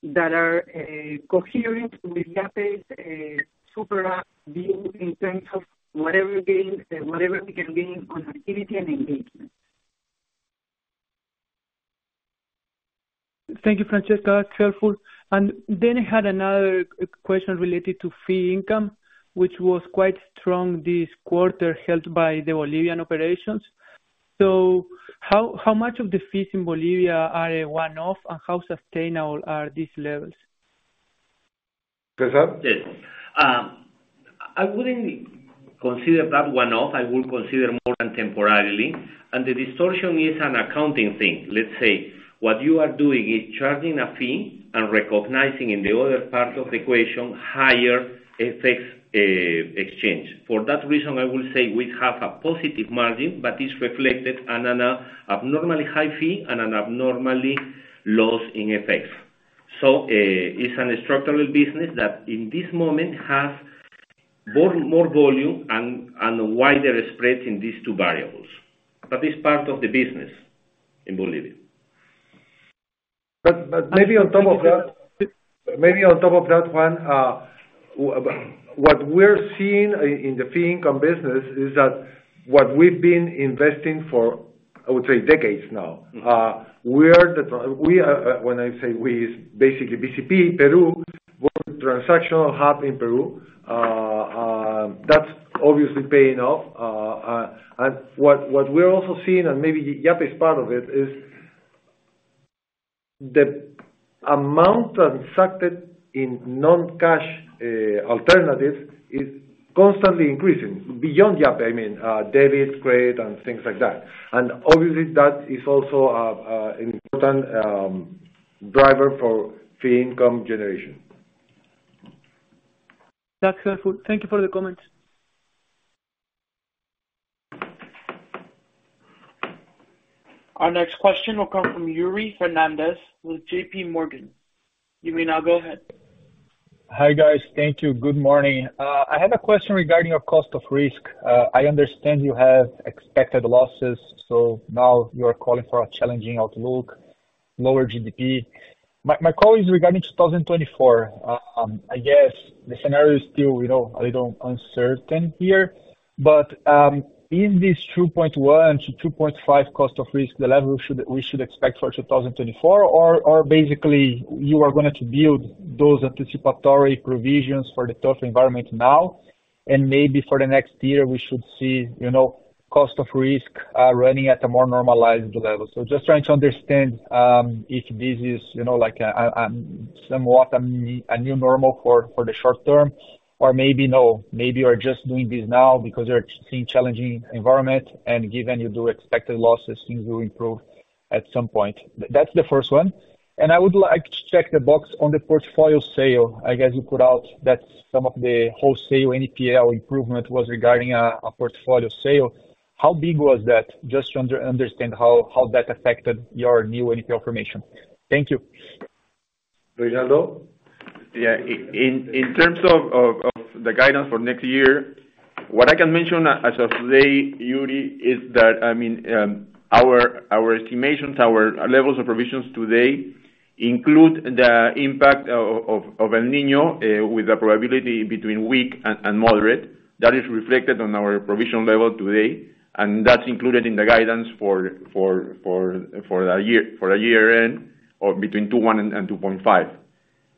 Speaker 8: growth.hat are coherent with Yape's super app view in terms of whatever gains and whatever we can gain on activity and engagement.
Speaker 7: Thank you, Francesca, helpful. I had another question related to fee income, which was quite strong this quarter, helped by the Bolivian operations. How much of the fees in Bolivia are a one-off, and how sustainable are these levels?
Speaker 3: Cesar?
Speaker 4: Yes. I wouldn't consider that 1-off, I would consider more than temporarily. The distortion is an accounting thing. Let's say, what you are doing is charging a fee and recognizing in the other part of the equation, higher FX exchange. For that reason, I will say we have a positive margin, but it's reflected on an abnormally high fee and an abnormally loss in FX. It's a structural business that, in this moment, has more, more volume and, and a wider spread in these 2 variables. It's part of the business in Bolivia.
Speaker 3: Maybe on top of that, maybe on top of that one, what we're seeing in the fee income business is that what we've been investing for, I would say, decades now. We are, when I say we, is basically BCP Peru, were the transactional hub in Peru. That's obviously paying off. And what, what we're also seeing, and maybe Yape is part of it, is the amount transacted in non-cash alternatives is constantly increasing, beyond Yape, I mean, debit, credit, and things like that. Obviously, that is also a important driver for fee income generation.
Speaker 7: That's helpful. Thank you for the comments.
Speaker 1: Our next question will come from Yuri Fernandes with JPMorgan. You may now go ahead.
Speaker 9: Hi, guys. Thank you. Good morning. I had a question regarding your cost of risk. I understand you have expected losses, so now you are calling for a challenging outlook, lower GDP. My call is regarding 2024. I guess the scenario is still, you know, a little uncertain here, but is this 2.1%-2.5% cost of risk, the level we should expect for 2024? Basically, you are gonna to build those anticipatory provisions for the tough environment now, and maybe for the next year, we should see, you know, cost of risk running at a more normalized level. Just trying to understand, if this is, you know, like, a new normal for, for the short term, or maybe no, maybe you're just doing this now because you're seeing challenging environment, and given you do expect the losses, things will improve at some point. That's the first one. I would like to check the box on the portfolio sale. I guess you put out that some of the wholesale NPL improvement was regarding a portfolio sale. How big was that? Just to understand how, how that affected your new NPL formation. Thank you.
Speaker 3: Reynaldo?
Speaker 6: Yeah, in terms of the guidance for next year, what I can mention as of today, Yuri, is that, I mean, our, our estimations, our levels of provisions today, include the impact of El Nino, with the probability between weak and moderate. That is reflected on our provision level today, and that's included in the guidance for the year, for the year-end, or between 2.1 and 2.5.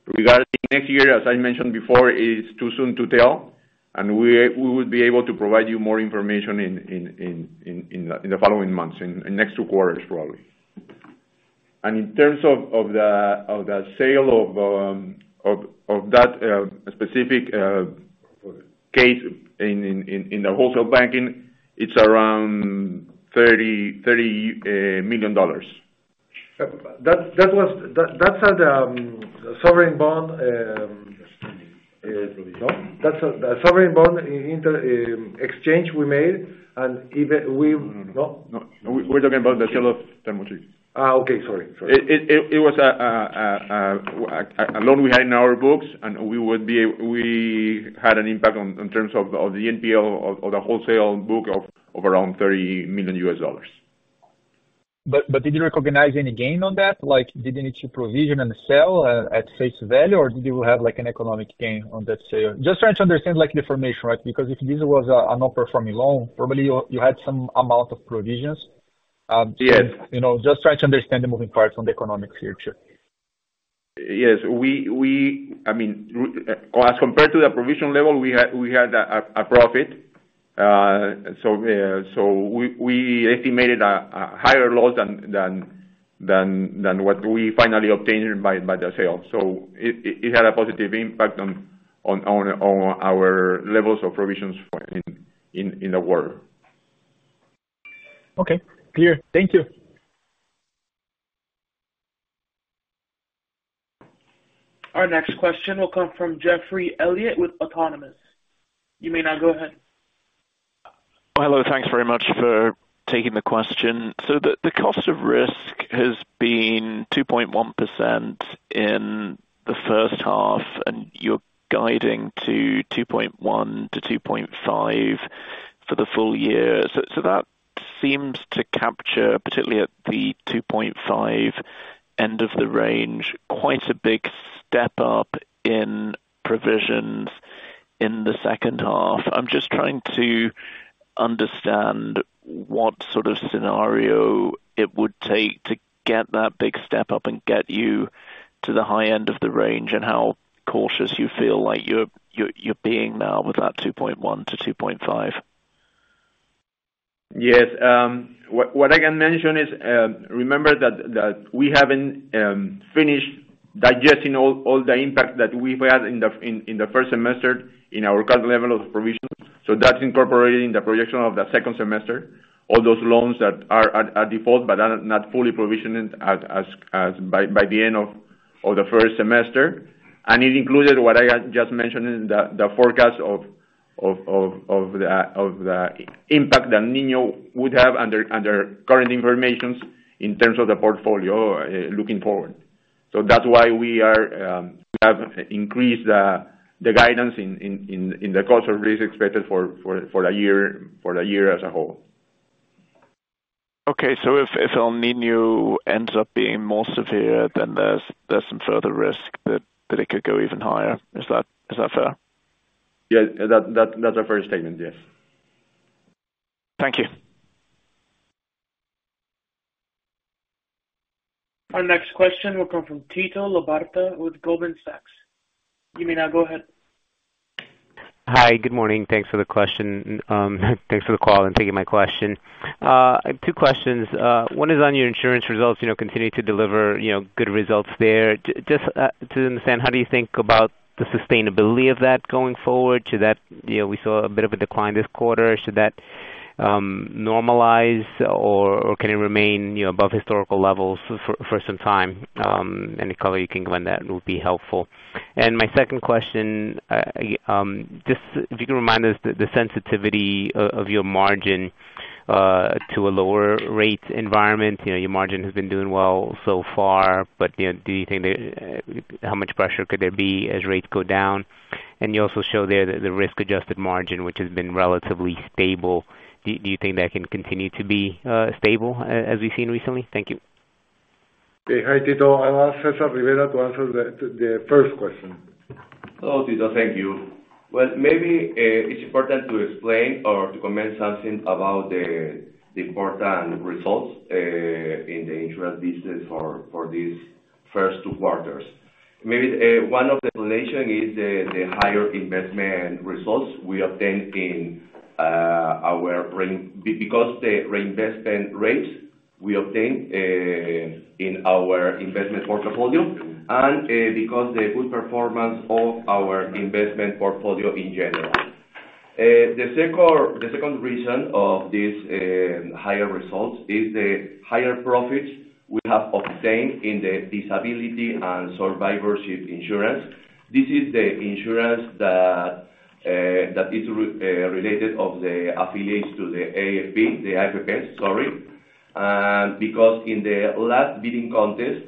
Speaker 6: Regarding next year, as I mentioned before, it's too soon to tell, and we would be able to provide you more information in the following months, in next two quarters, probably. In terms of the sale of that specific case in the wholesale banking, it's around $30 million.
Speaker 3: That, that's how the sovereign bond, the sovereign bond in inter exchange we made, and even we.
Speaker 6: No, no, no.
Speaker 3: No?
Speaker 6: No. We're talking about the sale of Termotril.
Speaker 3: Okay. Sorry. Sorry.
Speaker 6: It was a loan we had in our books, and we had an impact on, in terms of the NPL, of the wholesale book of around $30 million.
Speaker 9: Did you recognize any gain on that? Like, did you need to provision and sell at face value, or did you have, like, an economic gain on that sale? Just trying to understand, like, the information, right? If this was a, a non-performing loan, probably you, you had some amount of provisions.
Speaker 6: Yes.
Speaker 9: You know, just trying to understand the moving parts on the economics here, sure.
Speaker 6: Yes, we, I mean, as compared to the provision level, we had a profit. We estimated a higher loss than what we finally obtained by the sale. It had a positive impact on our levels of provisions for in the world.
Speaker 9: Okay, clear. Thank you.
Speaker 1: Our next question will come from Jeffrey Elliott with Autonomous Research. You may now go ahead.
Speaker 10: Hello, thanks very much for taking the question. The cost of risk has been 2.1% in the H1. you're guiding to 2.1%-2.5% for the full year. That seems to capture, particularly at the 2.5% end of the range, quite a big step up in provisions in the H2. I'm just trying to understand what sort of scenario it would take to get that big step up and get you to the high end of the range, and how cautious you feel like you're being now with that 2.1%-2.5%.
Speaker 6: Yes, what I can mention is, remember that we haven't finished digesting all the impact that we've had in the first semester in our current level of provisions. That's incorporated in the projection of the second semester, all those loans that are at default but are not fully provisioned as by the end of the first semester. It included what I had just mentioned in the forecast of the impact that Nino would have under current information in terms of the portfolio, looking forward. That's why we are have increased the guidance in the cost of risk expected for the year as a whole.
Speaker 11: Okay. if El Niño ends up being more severe, then there's some further risk that it could go even higher. Is that fair?
Speaker 6: Yeah, that's a fair statement, yes.
Speaker 11: Thank you.
Speaker 1: Our next question will come from Tito Labarta with Goldman Sachs. You may now go ahead.
Speaker 11: Hi, good morning. Thanks for the question. Thanks for the call and taking my question. I have two questions. One is on your insurance results, you know, continue to deliver, you know, good results there. Just to understand, how do you think about the sustainability of that going forward? You know, we saw a bit of a decline this quarter. Should that normalize or, or can it remain, you know, above historical levels for, for some time? Any color you can give on that would be helpful. My second question, just if you can remind us the, the sensitivity of your margin to a lower rate environment. You know, your margin has been doing well so far, but, you know, do you think there... How much pressure could there be as rates go down?
Speaker 12: You also show there that the risk-adjusted margin, which has been relatively stable, do you think that can continue to be stable, as we've seen recently? Thank you.
Speaker 3: Hey. Hi, Tito. I'll ask Cesar Rivera to answer the first question.
Speaker 13: Hello, Tito. Thank you. Well, maybe, it's important to explain or to comment something about the, the important results in the insurance business for, for these first 2 quarters. Maybe, one of the explanation is the, the higher investment results we obtained in our re- because the reinvestment rates we obtained in our investment portfolio and because the good performance of our investment portfolio in general. The second, the second reason of this higher results is the higher profits we have obtained in the disability and survivorship insurance. This is the insurance that, that is re- related of the affiliates to the AFP, the AFP, sorry. Because in the last bidding contest,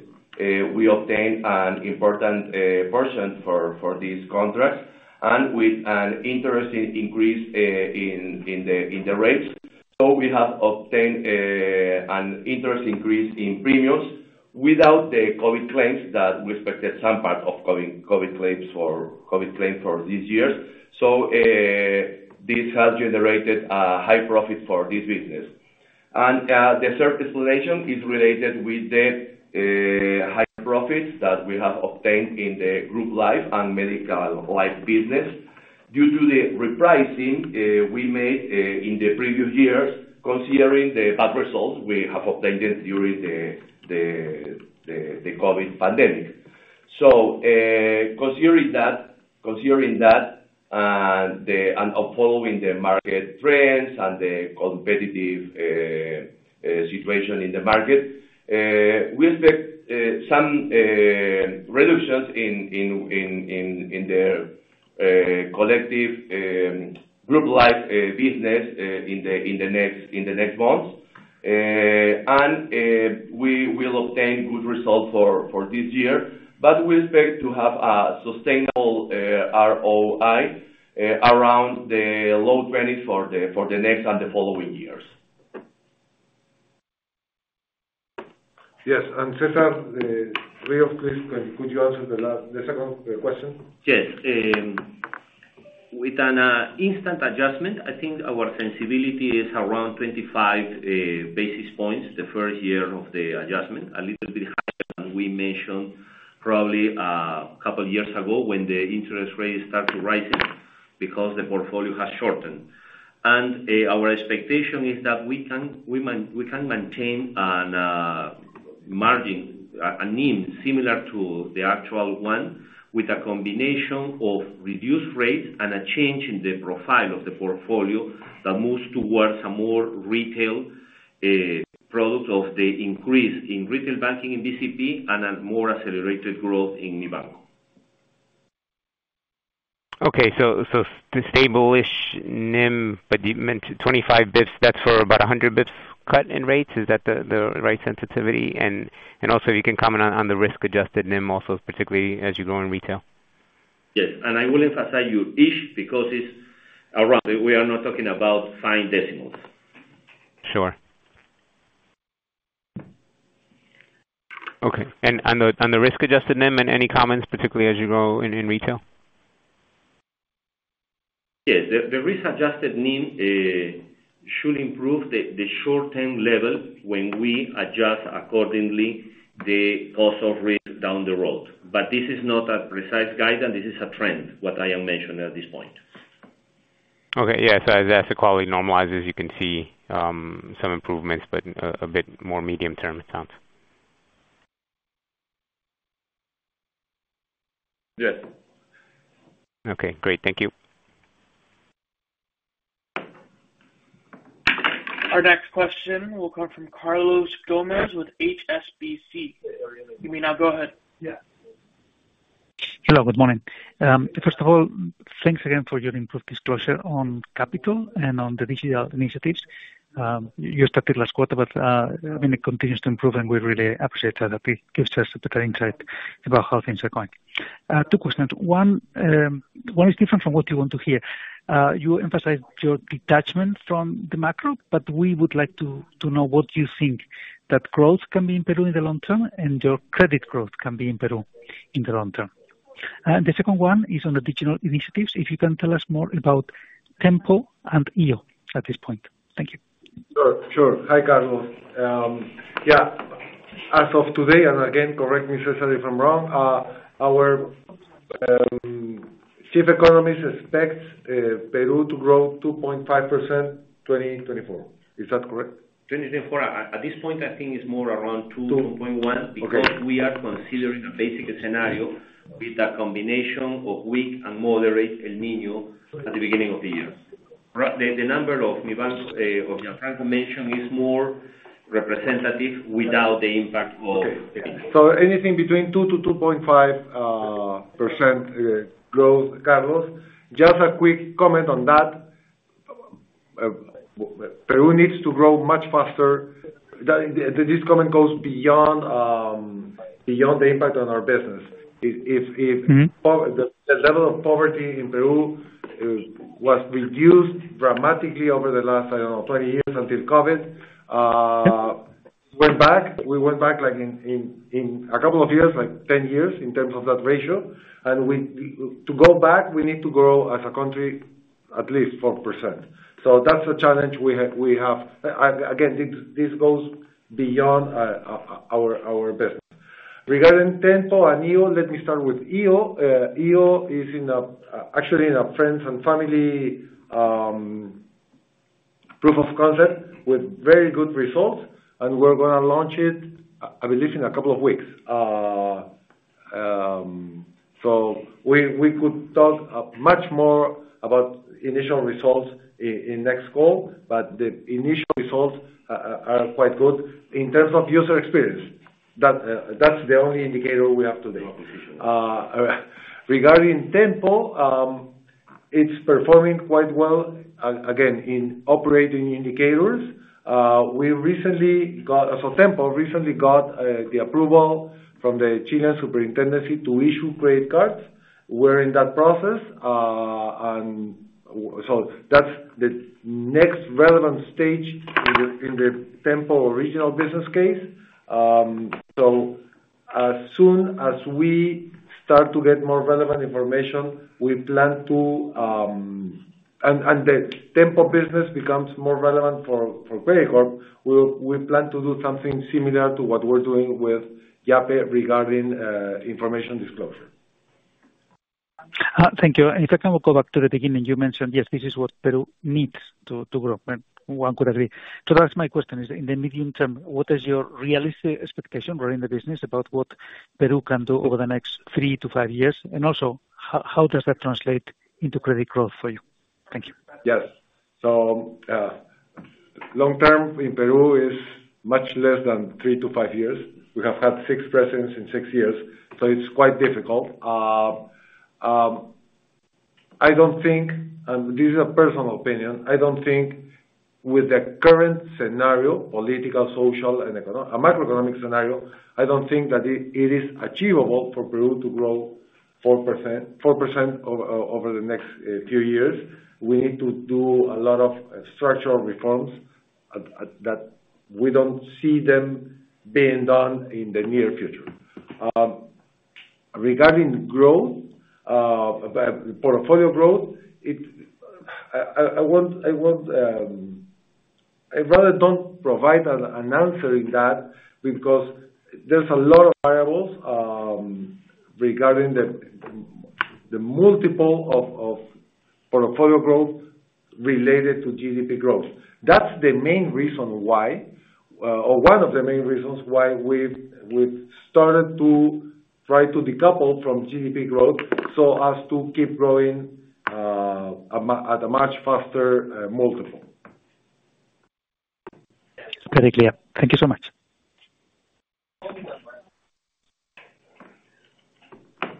Speaker 13: we obtained an important portion for, for this contract and with an interesting increase in, in the, in the rates. We have obtained an interest increase in premiums without the COVID claims, that we expected some part of COVID claims for this year. This has generated a high profit for this business. The third explanation is related with the high profits that we have obtained in the group life and medical life business. Due to the repricing we made in the previous years, considering the bad results we have obtained during the COVID pandemic. Considering that, considering that, and following the market trends and the competitive situation in the market, we expect some reductions in the collective group life business in the next months. We will obtain good results for, for this year, but we expect to have a sustainable, ROI, around the low 20s for the, for the next and the following years.
Speaker 6: Yes, Cesar, the three of these, could, could you answer the last, the second question?
Speaker 13: Yes. With an instant adjustment, I think our sensibility is around 25 basis points, the first year of the adjustment. A little bit higher than we mentioned probably couple years ago, when the interest rates start to rise because the portfolio has shortened. Our expectation is that we can, we can maintain a margin, a NIM similar to the actual one, with a combination of reduced rate and a change in the profile of the portfolio that moves towards a more retail product of the increase in retail banking in BCP and a more accelerated growth in Mibanco.
Speaker 11: The stable-ish NIM, you meant 25 bits, that's for about 100 bits cut in rates? Is that the right sensitivity? Also, you can comment on the risk-adjusted NIM also, particularly as you grow in retail?
Speaker 3: Yes, I will emphasize you, ish, because it's around, we are not talking about fine decimals.
Speaker 11: Sure. Okay, on the risk-adjusted NIM, and any comments, particularly as you go in retail?
Speaker 3: Yes. The, the Risk-adjusted NIM should improve the, the short-term level when we adjust accordingly the Cost of risk down the road. This is not a precise guidance, this is a trend, what I am mentioning at this point.
Speaker 11: Okay. Yeah. As, as the quality normalizes, you can see some improvements, but a bit more medium term, it sounds.
Speaker 3: Yes.
Speaker 11: Okay, great. Thank you.
Speaker 1: Our next question will come from Carlos Gomez with HSBC. You may now go ahead.
Speaker 14: Yeah. Hello, Good morning. First of all, thanks again for your improved disclosure on capital and on the digital initiatives. You started last quarter, but, I mean, it continues to improve, and we really appreciate that. It gives us a better insight about how things are going. Two questions. One, one is different from what you want to hear. You emphasized your detachment from the macro, but we would like to, to know what you think that growth can be in Peru in the long term, and your credit growth can be in Peru in the long term? The second one is on the digital initiatives, if you can tell us more about Tenpo and IO at this point. Thank you.
Speaker 3: Sure, sure. Hi, Carlos. Yeah, as of today, and again, correct me, Cesar, if I'm wrong, our, chief economist expects, Peru to grow 2.5%, 2024. Is that correct?
Speaker 15: 2024, at this point, I think it's more around 2-
Speaker 3: Two...
Speaker 15: 0.1.
Speaker 3: Okay.
Speaker 15: Because we are considering a basic scenario with a combination of weak and moderate El Nino at the beginning of the year. Ra- the, the number of of your current mention is more representative without the impact of.
Speaker 3: Okay. Anything between 2-2.5% growth, Carlos, Just a quick comment on that. Peru needs to grow much faster. This comment goes beyond, beyond the impact on our business. If-
Speaker 14: Mm-hmm...
Speaker 3: the, the level of poverty in Peru, was reduced dramatically over the last, I don't know, 20 years until COVID.
Speaker 14: Yep.
Speaker 3: We went back, like, in 2 years, like, 10 years, in terms of that ratio. To go back, we need to grow as a country at least 4%. That's the challenge we have. Again, this goes beyond our business. Regarding Tenpo and IO, let me start with IO. IO is actually in a friends and family proof of concept with very good results, and we're gonna launch it, I believe in 2 weeks. We could talk much more about initial results in next call, but the initial results are quite good in terms of user experience. That's the only indicator we have today. Regarding Tenpo, it's performing quite well, again, in operating indicators. We recently got... Tenpo recently got the approval from the Chilean Superintendency to issue credit cards. We're in that process, and that's the next relevant stage in the Tenpo original business case. As soon as we start to get more relevant information, we plan to. The Tenpo business becomes more relevant for Credicorp, we plan to do something similar to what we're doing with Yape regarding information disclosure.
Speaker 14: Thank you. If I can go back to the beginning, you mentioned, yes, this is what Peru needs to, to grow, and one could agree. That's my question, is in the medium term, what is your realistic expectation running the business about what Peru can do over the next 3 to 5 years? Also, how, how does that translate into credit growth for you? Thank you.
Speaker 3: Yes. Long term in Peru is much less than 3-5 years. We have had 6 presidents in 6 years, so it's quite difficult. I don't think, and this is a personal opinion, I don't think with the current scenario, political, social, and econo- macroeconomic scenario, I don't think that it is achievable for Peru to grow 4%, 4% over the next few years. We need to do a lot of structural reforms that we don't see them being done in the near future. Regarding growth, portfolio growth, I want, I want, I'd rather don't provide an answer in that, because there's a lot of variables regarding the multiple of portfolio growth related to GDP growth. That's the main reason why, or one of the main reasons why we've started to try to decouple from GDP growth, so as to keep growing, at a much faster, multiple.
Speaker 14: Very clear. Thank you so much.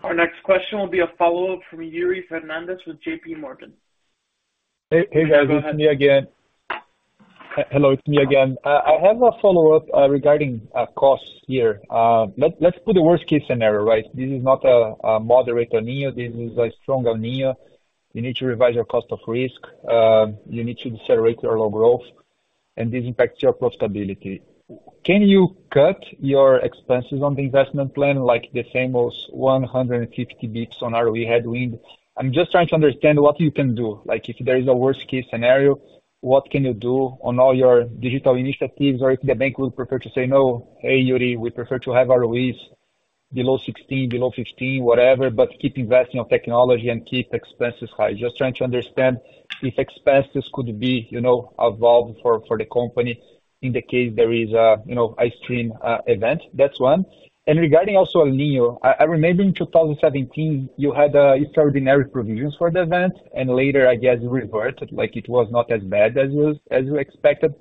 Speaker 1: Our next question will be a follow-up from Yuri Fernandes with JPMorgan.
Speaker 9: Hey, hey, guys, it's me again. Hello, it's me again. I have a follow-up regarding costs here. Let's put the worst case scenario, right? This is not a, a moderate El Niño, this is a strong El Niño. You need to revise your cost of risk, you need to decelerate your low growth, and this impacts your profitability. Can you cut your expenses on the investment plan, like the famous 150 basis points on ROE headwind? I'm just trying to understand what you can do. Like, if there is a worst case scenario, what can you do on all your digital initiatives? Or if the bank will prefer to say, "No, hey, Yuri, we prefer to have ROEs below 16, below 15," whatever, but keep investing on technology and keep expenses high. Just trying to understand if expenses could be, you know, involved for, for the company in the case there is a, you know, ice stream event. That's one. Regarding also El Niño, I, I remember in 2017, you had extraordinary provisions for the event, and later, I guess, reverted, like it was not as bad as you, as you expected.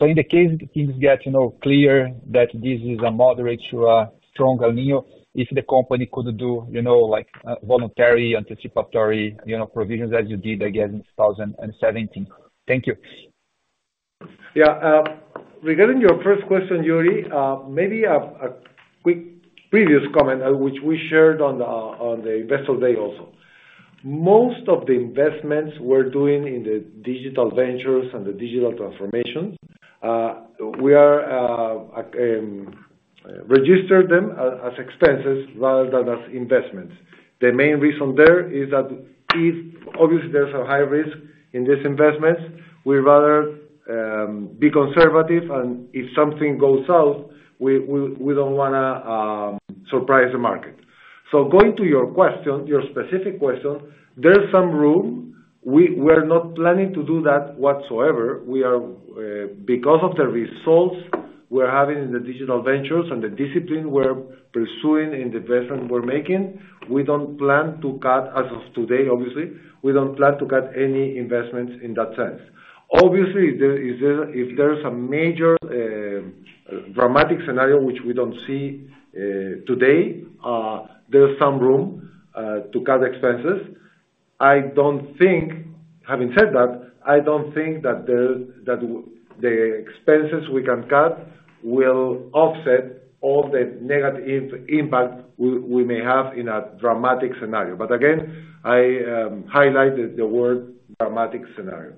Speaker 9: In the case things get, you know, clear that this is a moderate to a strong El Niño, if the company could do, you know, like voluntary, anticipatory, you know, provisions as you did again in 2017. Thank you.
Speaker 3: Yeah, regarding your first question, Yuri, maybe a quick previous comment, which we shared on the Investor Day also. Most of the investments we're doing in the digital ventures and the digital transformations, we are register them as expenses rather than as investments. The main reason there is that if obviously there's a high risk in this investment, we rather be conservative, and if something goes south, we, we, we don't wanna surprise the market. Going to your question, your specific question, there's some room. We're not planning to do that whatsoever. We are, because of the results we're having in the digital ventures and the discipline we're pursuing and the investment we're making, we don't plan to cut, as of today, obviously, we don't plan to cut any investments in that sense. Obviously, the, if there, if there's a major, dramatic scenario, which we don't see, today, there's some room, to cut expenses. I don't think... Having said that, I don't think that the, that the expenses we can cut will offset all the negative impact we, we may have in a dramatic scenario. Again, I, highlighted the word dramatic scenario.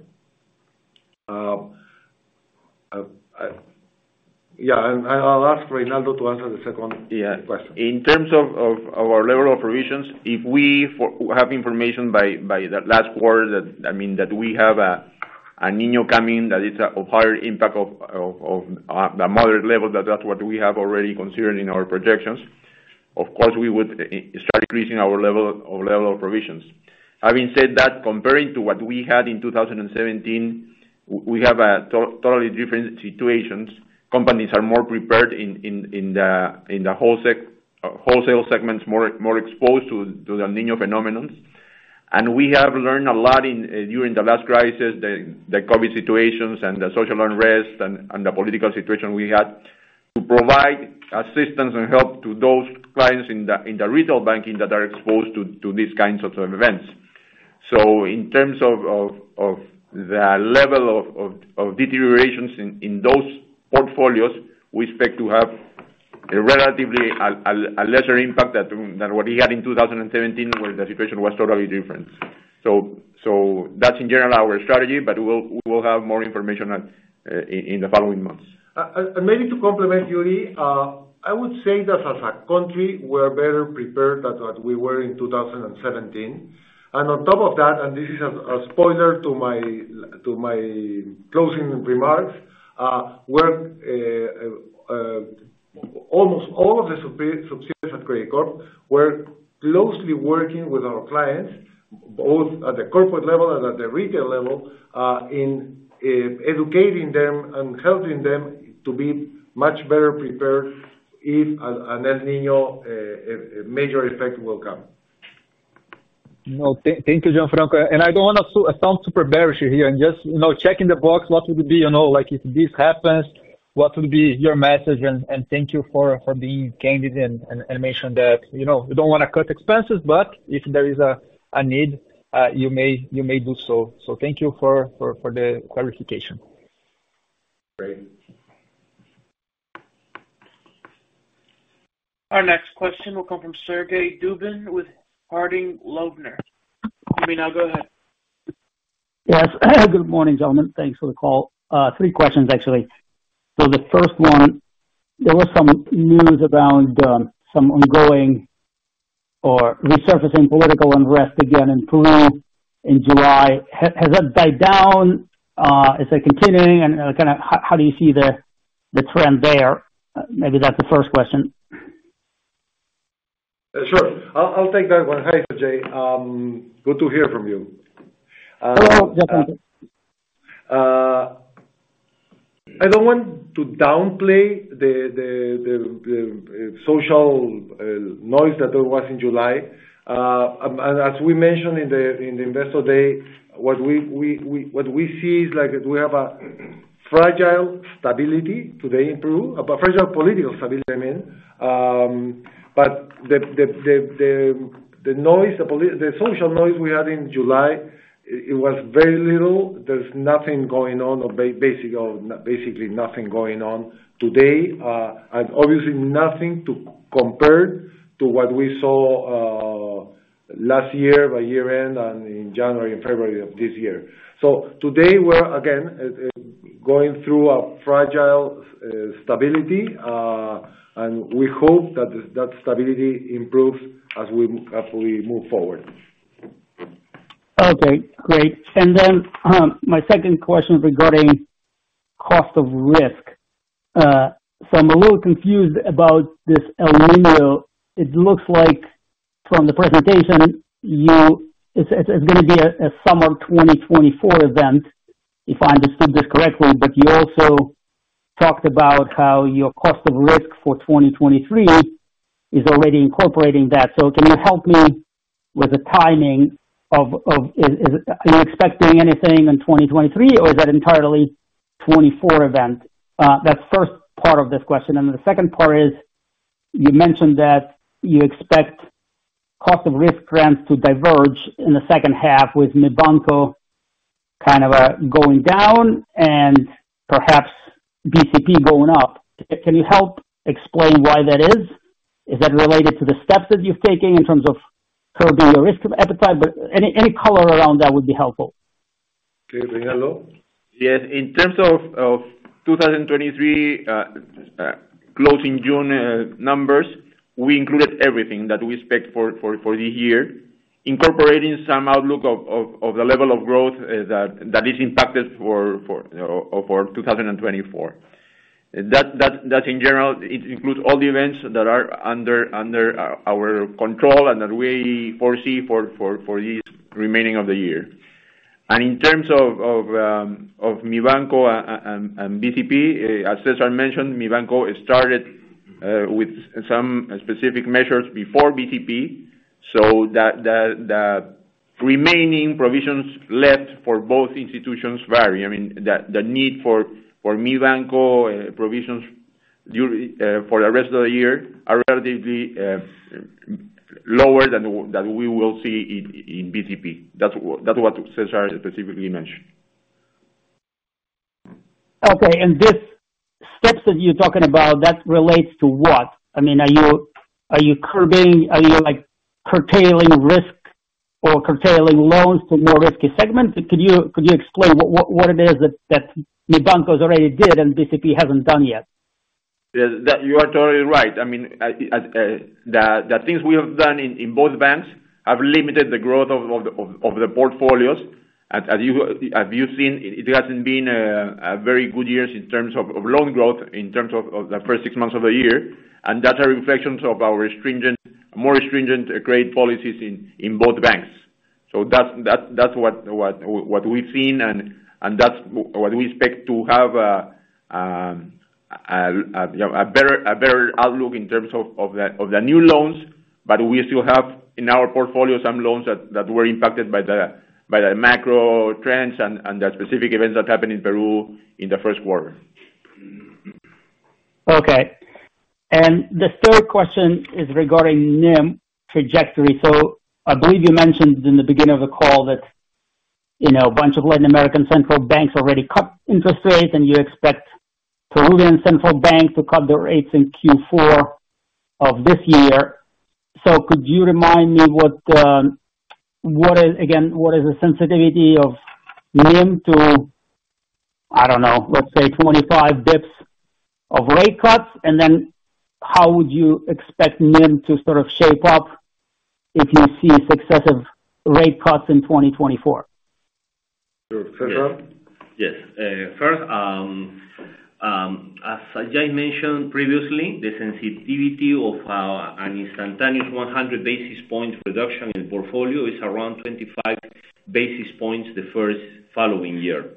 Speaker 3: Yeah, and I'll ask Reynaldo to answer the second, yeah, question.
Speaker 6: In terms of our level of provisions, if we have information by the last quarter that, I mean, that we have a Niño coming, that is of higher impact of the moderate level, that that's what we have already considered in our projections, of course, we would start increasing our level, our level of provisions. Having said that, comparing to what we had in 2017, we have a totally different situations. Companies are more prepared in the wholesale segments, more exposed to the Niño phenomenons. We have learned a lot in during the last crisis, the COVID situations and the social unrest and the political situation we had, to provide assistance and help to those clients in the retail banking that are exposed to these kinds of events. In terms of the level of deteriorations in those portfolios, we expect to have a relatively a lesser impact that than what we had in 2017, where the situation was totally different. That's in general our strategy, but we'll have more information on in the following months.
Speaker 3: And maybe to complement, Yuri, I would say that as a country, we're better prepared than what we were in 2017. And on top of that, and this is a spoiler to my closing remarks, we're almost all of the subsidiaries at Credicorp, we're closely working with our clients, both at the corporate level and at the retail level, in educating them and helping them to be much better prepared if an El Niño major effect will come.
Speaker 9: Well, thank you, Gianfranco. I don't wanna sound super bearish here and just, you know, checking the box, what would be, you know, like, if this happens, what would be your message? Thank you for, for being candid and, and, and mentioned that, you know, you don't wanna cut expenses, but if there is a need, you may, you may do so. Thank you for, for, for the clarification.
Speaker 6: Great.
Speaker 1: Our next question will come from Sergey Dubin with Harding Loevner. Sergey, now go ahead.
Speaker 16: Yes. Good morning, gentlemen. Thanks for the call. Three questions, actually. The first one, there was some news around some ongoing or resurfacing political unrest again in Peru in July. Has that died down? Is it continuing? Kinda, how do you see the trend there? Maybe that's the first question.
Speaker 6: Sure. I'll, I'll take that one. Hi, Sergey.
Speaker 3: Good to hear from you.
Speaker 16: Hello, Gianfranco. ...
Speaker 6: I don't want to downplay the, the, the, the, social noise that there was in July. As we mentioned in the, in the Investor Day, what we, we, we, what we see is like that we have a fragile stability today in Peru, a fragile political stability, I mean. The, the, the, the, the noise, the poli- the social noise we had in July, it was very little. There's nothing going on or ba- basically, or basically nothing going on today. Obviously nothing to compare to what we saw, last year by year end and in January and February of this year. Today we're again, going through a fragile, stability, and we hope that that stability improves as we, as we move forward.
Speaker 16: Okay, great. My second question regarding cost of risk. I'm a little confused about this El Niño. It looks like from the presentation, it's gonna be a summer 2024 event, if I understood this correctly. You also talked about how your cost of risk for 2023 is already incorporating that. Can you help me with the timing of, are you expecting anything in 2023, or is that entirely 2024 event? That's first part of this question. The second part is, you mentioned that you expect cost of risk trends to diverge in the H2, with Mibanco kind of going down and perhaps BCP going up. Can you help explain why that is? Is that related to the steps that you're taking in terms of curbing the risk of appetite? Any, any color around that would be helpful.
Speaker 6: Okay. Hello? Yes, in terms of, of 2023, closing June numbers, we included everything that we expect for, for, for the year, incorporating some outlook of, of, of the level of growth that, that is impacted for, for 2024. That, that, that in general, it includes all the events that are under, under our control and that we foresee for, for, for this remaining of the year. In terms of, of Mibanco and BCP, as Cesar mentioned, Mibanco started with some specific measures before BCP, so that, the, the remaining provisions left for both institutions vary. I mean, the, the need for, for Mibanco provisions during for the rest of the year are relatively lower than that we will see in, in BCP. That's that's what Cesar specifically mentioned.
Speaker 16: Okay, this steps that you're talking about, that relates to what? I mean, are you, are you curbing-- are you, like, curtailing risk or curtailing loans to more risky segments? Could you, could you explain what, what it is that, that Mibanco has already did and BCP hasn't done yet?
Speaker 6: Yes, that you are totally right. I mean, the, the things we have done in, in both banks have limited the growth of, of, of, of the portfolios. As, as you, as you've seen, it hasn't been a very good years in terms of, of loan growth, in terms of, of the first six months of the year. That are reflections of our stringent, more stringent, grade policies in, in both banks. That's, that's, that's what, what, what we've seen, and, and that's what we expect to have a better, a better outlook in terms of, of the, of the new loans. We still have in our portfolio some loans that, that were impacted by the, by the macro trends and, and the specific events that happened in Peru in the Q1.
Speaker 16: Okay. The third question is regarding NIM trajectory. I believe you mentioned in the beginning of the call that, you know, a bunch of Latin American central banks already cut interest rates, and you expect Peruvian central bank to cut their rates in Q4 of this year. Could you remind me what is the sensitivity of NIM to, I don't know, let's say 25 dips of rate cuts? Then how would you expect NIM to sort of shape up if you see a success of rate cuts in 2024?
Speaker 3: Sure. Cesar?
Speaker 4: Yes. First, as I mentioned previously, the sensitivity of an instantaneous 100 basis points reduction in portfolio is around 25 basis points the first following year.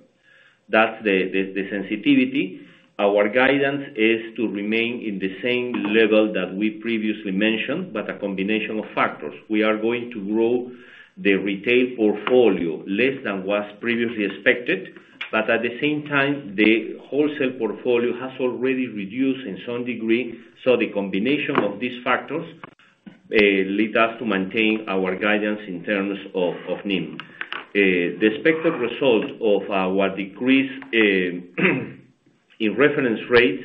Speaker 4: That's the sensitivity. Our guidance is to remain in the same level that we previously mentioned, but a combination of factors. We are going to grow the retail portfolio less than was previously expected, but at the same time, the wholesale portfolio has already reduced in some degree. The combination of these factors lead us to maintain our guidance in terms of NIM. The expected result of our decrease in reference rate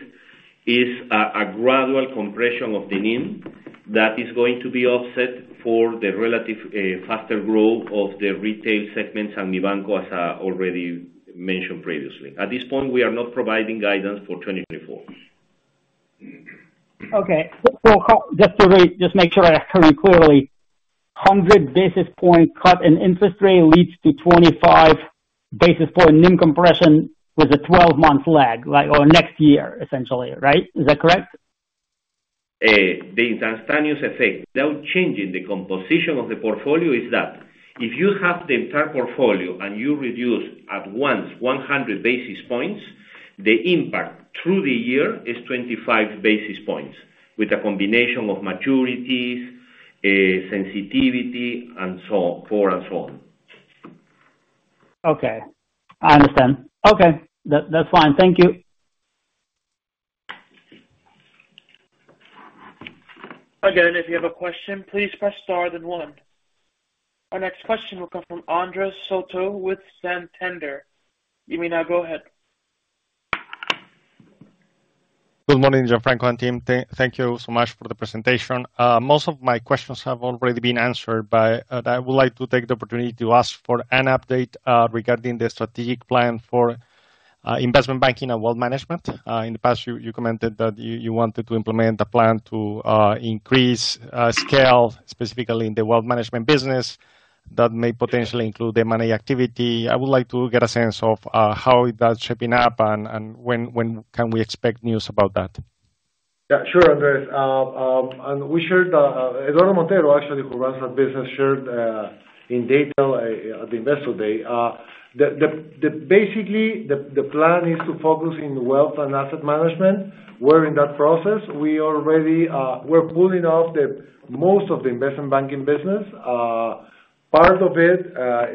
Speaker 4: is a gradual compression of the NIM that is going to be offset for the relative faster growth of the retail segment and Mibanco, as I already mentioned previously. At this point, we are not providing guidance for 2024.
Speaker 16: Okay. Just to make sure I heard clearly, 100 basis points cut in interest rate leads to 25 basis point NIM compression with a 12-month lag, like, or next year, essentially, right? Is that correct? ...
Speaker 3: the instantaneous effect, without changing the composition of the portfolio, is that if you have the entire portfolio and you reduce at once 100 basis points, the impact through the year is 25 basis points, with a combination of maturities, sensitivity, and so on, forward and so on.
Speaker 16: Okay, I understand. Okay. That, that's fine. Thank you.
Speaker 1: Again, if you have a question, please press Star then One. Our next question will come from Andres Soto with Santander. You may now go ahead.
Speaker 17: Good morning, Gianfranco and team. Thank, thank you so much for the presentation. Most of my questions have already been answered, I would like to take the opportunity to ask for an update regarding the strategic plan for investment banking and wealth management. In the past, you, you commented that you, you wanted to implement a plan to increase scale, specifically in the wealth management business, that may potentially include the money activity. I would like to get a sense of how that's shaping up and, and when, when can we expect news about that?
Speaker 3: Yeah, sure, Andres. We shared, Eduardo Montero, actually, who runs our business, shared in detail at the Investor Day. Basically, the plan is to focus in wealth and asset management. We're in that process. We already, we're pulling off the most of the investment banking business. Part of it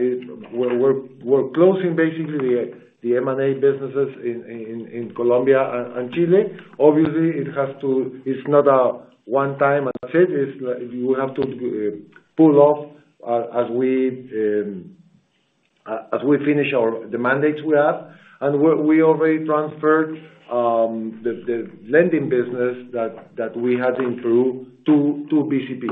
Speaker 3: is we're closing basically the M&A businesses in Colombia and Chile. Obviously, it has to-- it's not a one-time asset. It's like you will have to pull off as we finish our mandates we have. We already transferred the lending business that we had in Peru to BCP.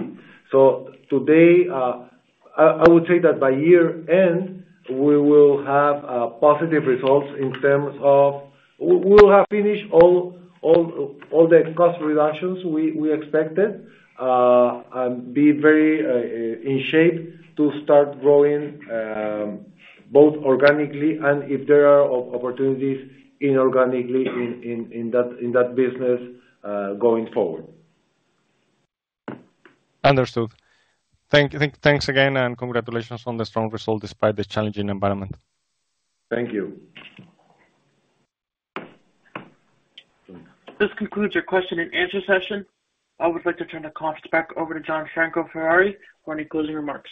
Speaker 3: Today, I, I would say that by year end, we will have positive results in terms of. We, we will have finished all, all, all the cost reductions we, we expected, and be very in shape to start growing, both organically and if there are op-opportunities, inorganically in, in, in that, in that business, going forward.
Speaker 17: Understood. Thanks again. Congratulations on the strong result despite this challenging environment.
Speaker 3: Thank you.
Speaker 1: This concludes our Q&A session. I would like to turn the conference back over to Gianfranco Ferrari for any closing remarks.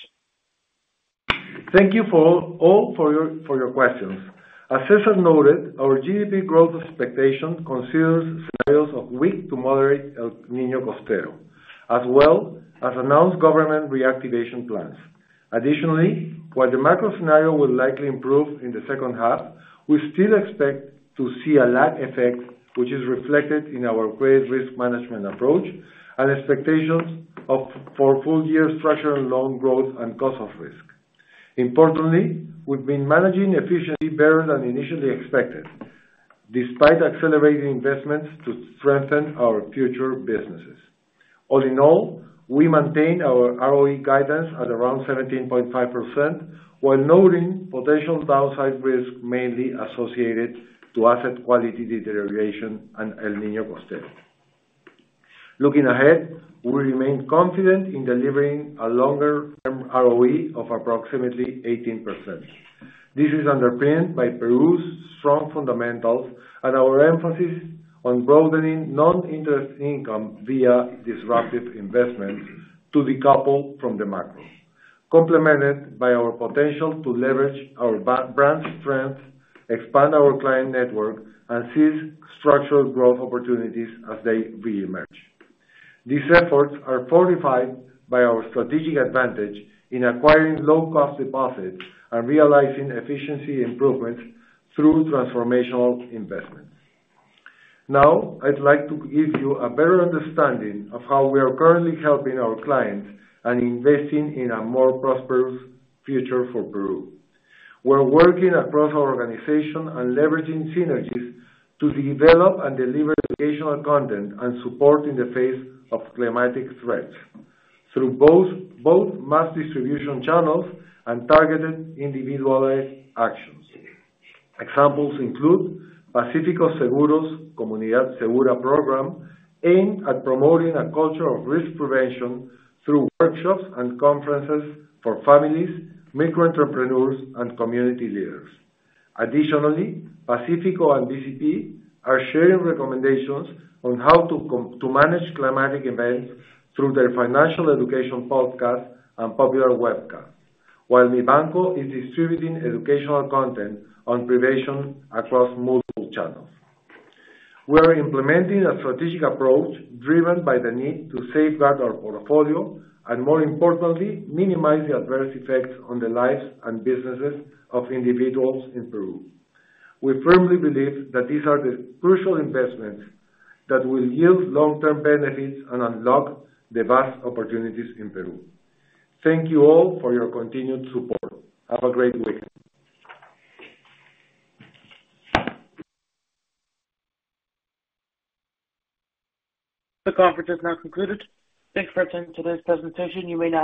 Speaker 3: Thank you for all, all for your, for your questions. As Cesar noted, our GDP growth expectation considers scenarios of weak to moderate El Niño Costero, as well as announced government reactivation plans. While the macro scenario will likely improve in the H2, we still expect to see a lag effect, which is reflected in our grade risk management approach and expectations for full year structural loan growth and cost of risk. Importantly, we've been managing efficiency better than initially expected, despite accelerating investments to strengthen our future businesses. All in all, we maintain our ROE guidance at around 17.5%, while noting potential downside risk mainly associated to asset quality deterioration and El Niño Costero. Looking ahead, we remain confident in delivering a longer-term ROE of approximately 18%. This is underpinned by Peru's strong fundamentals and our emphasis on broadening non-interest income via disruptive investment to decouple from the macro, complemented by our potential to leverage our brand's strength, expand our client network, and seize structural growth opportunities as they re-emerge. These efforts are fortified by our strategic advantage in acquiring low-cost deposits and realizing efficiency improvements through transformational investments. Now, I'd like to give you a better understanding of how we are currently helping our clients and investing in a more prosperous future for Peru. We're working across our organization and leveraging synergies to develop and deliver educational content and support in the face of climatic threats, through both mass distribution channels and targeted individualized actions. Examples include Pacifico Seguros' Comunidad Segura program, aimed at promoting a culture of risk prevention through workshops and conferences for families, micro entrepreneurs, and community leaders. Additionally, Pacífico and BCP are sharing recommendations on how to manage climatic events through their financial education podcast and popular webcast, while Mibanco is distributing educational content on prevention across multiple channels. We are implementing a strategic approach driven by the need to safeguard our portfolio, and more importantly, minimize the adverse effects on the lives and businesses of individuals in Peru. We firmly believe that these are the crucial investments that will yield long-term benefits and unlock the vast opportunities in Peru. Thank you all for your continued support. Have a great week.
Speaker 1: The conference is now concluded. Thanks for attending today's presentation, you may now disconnect.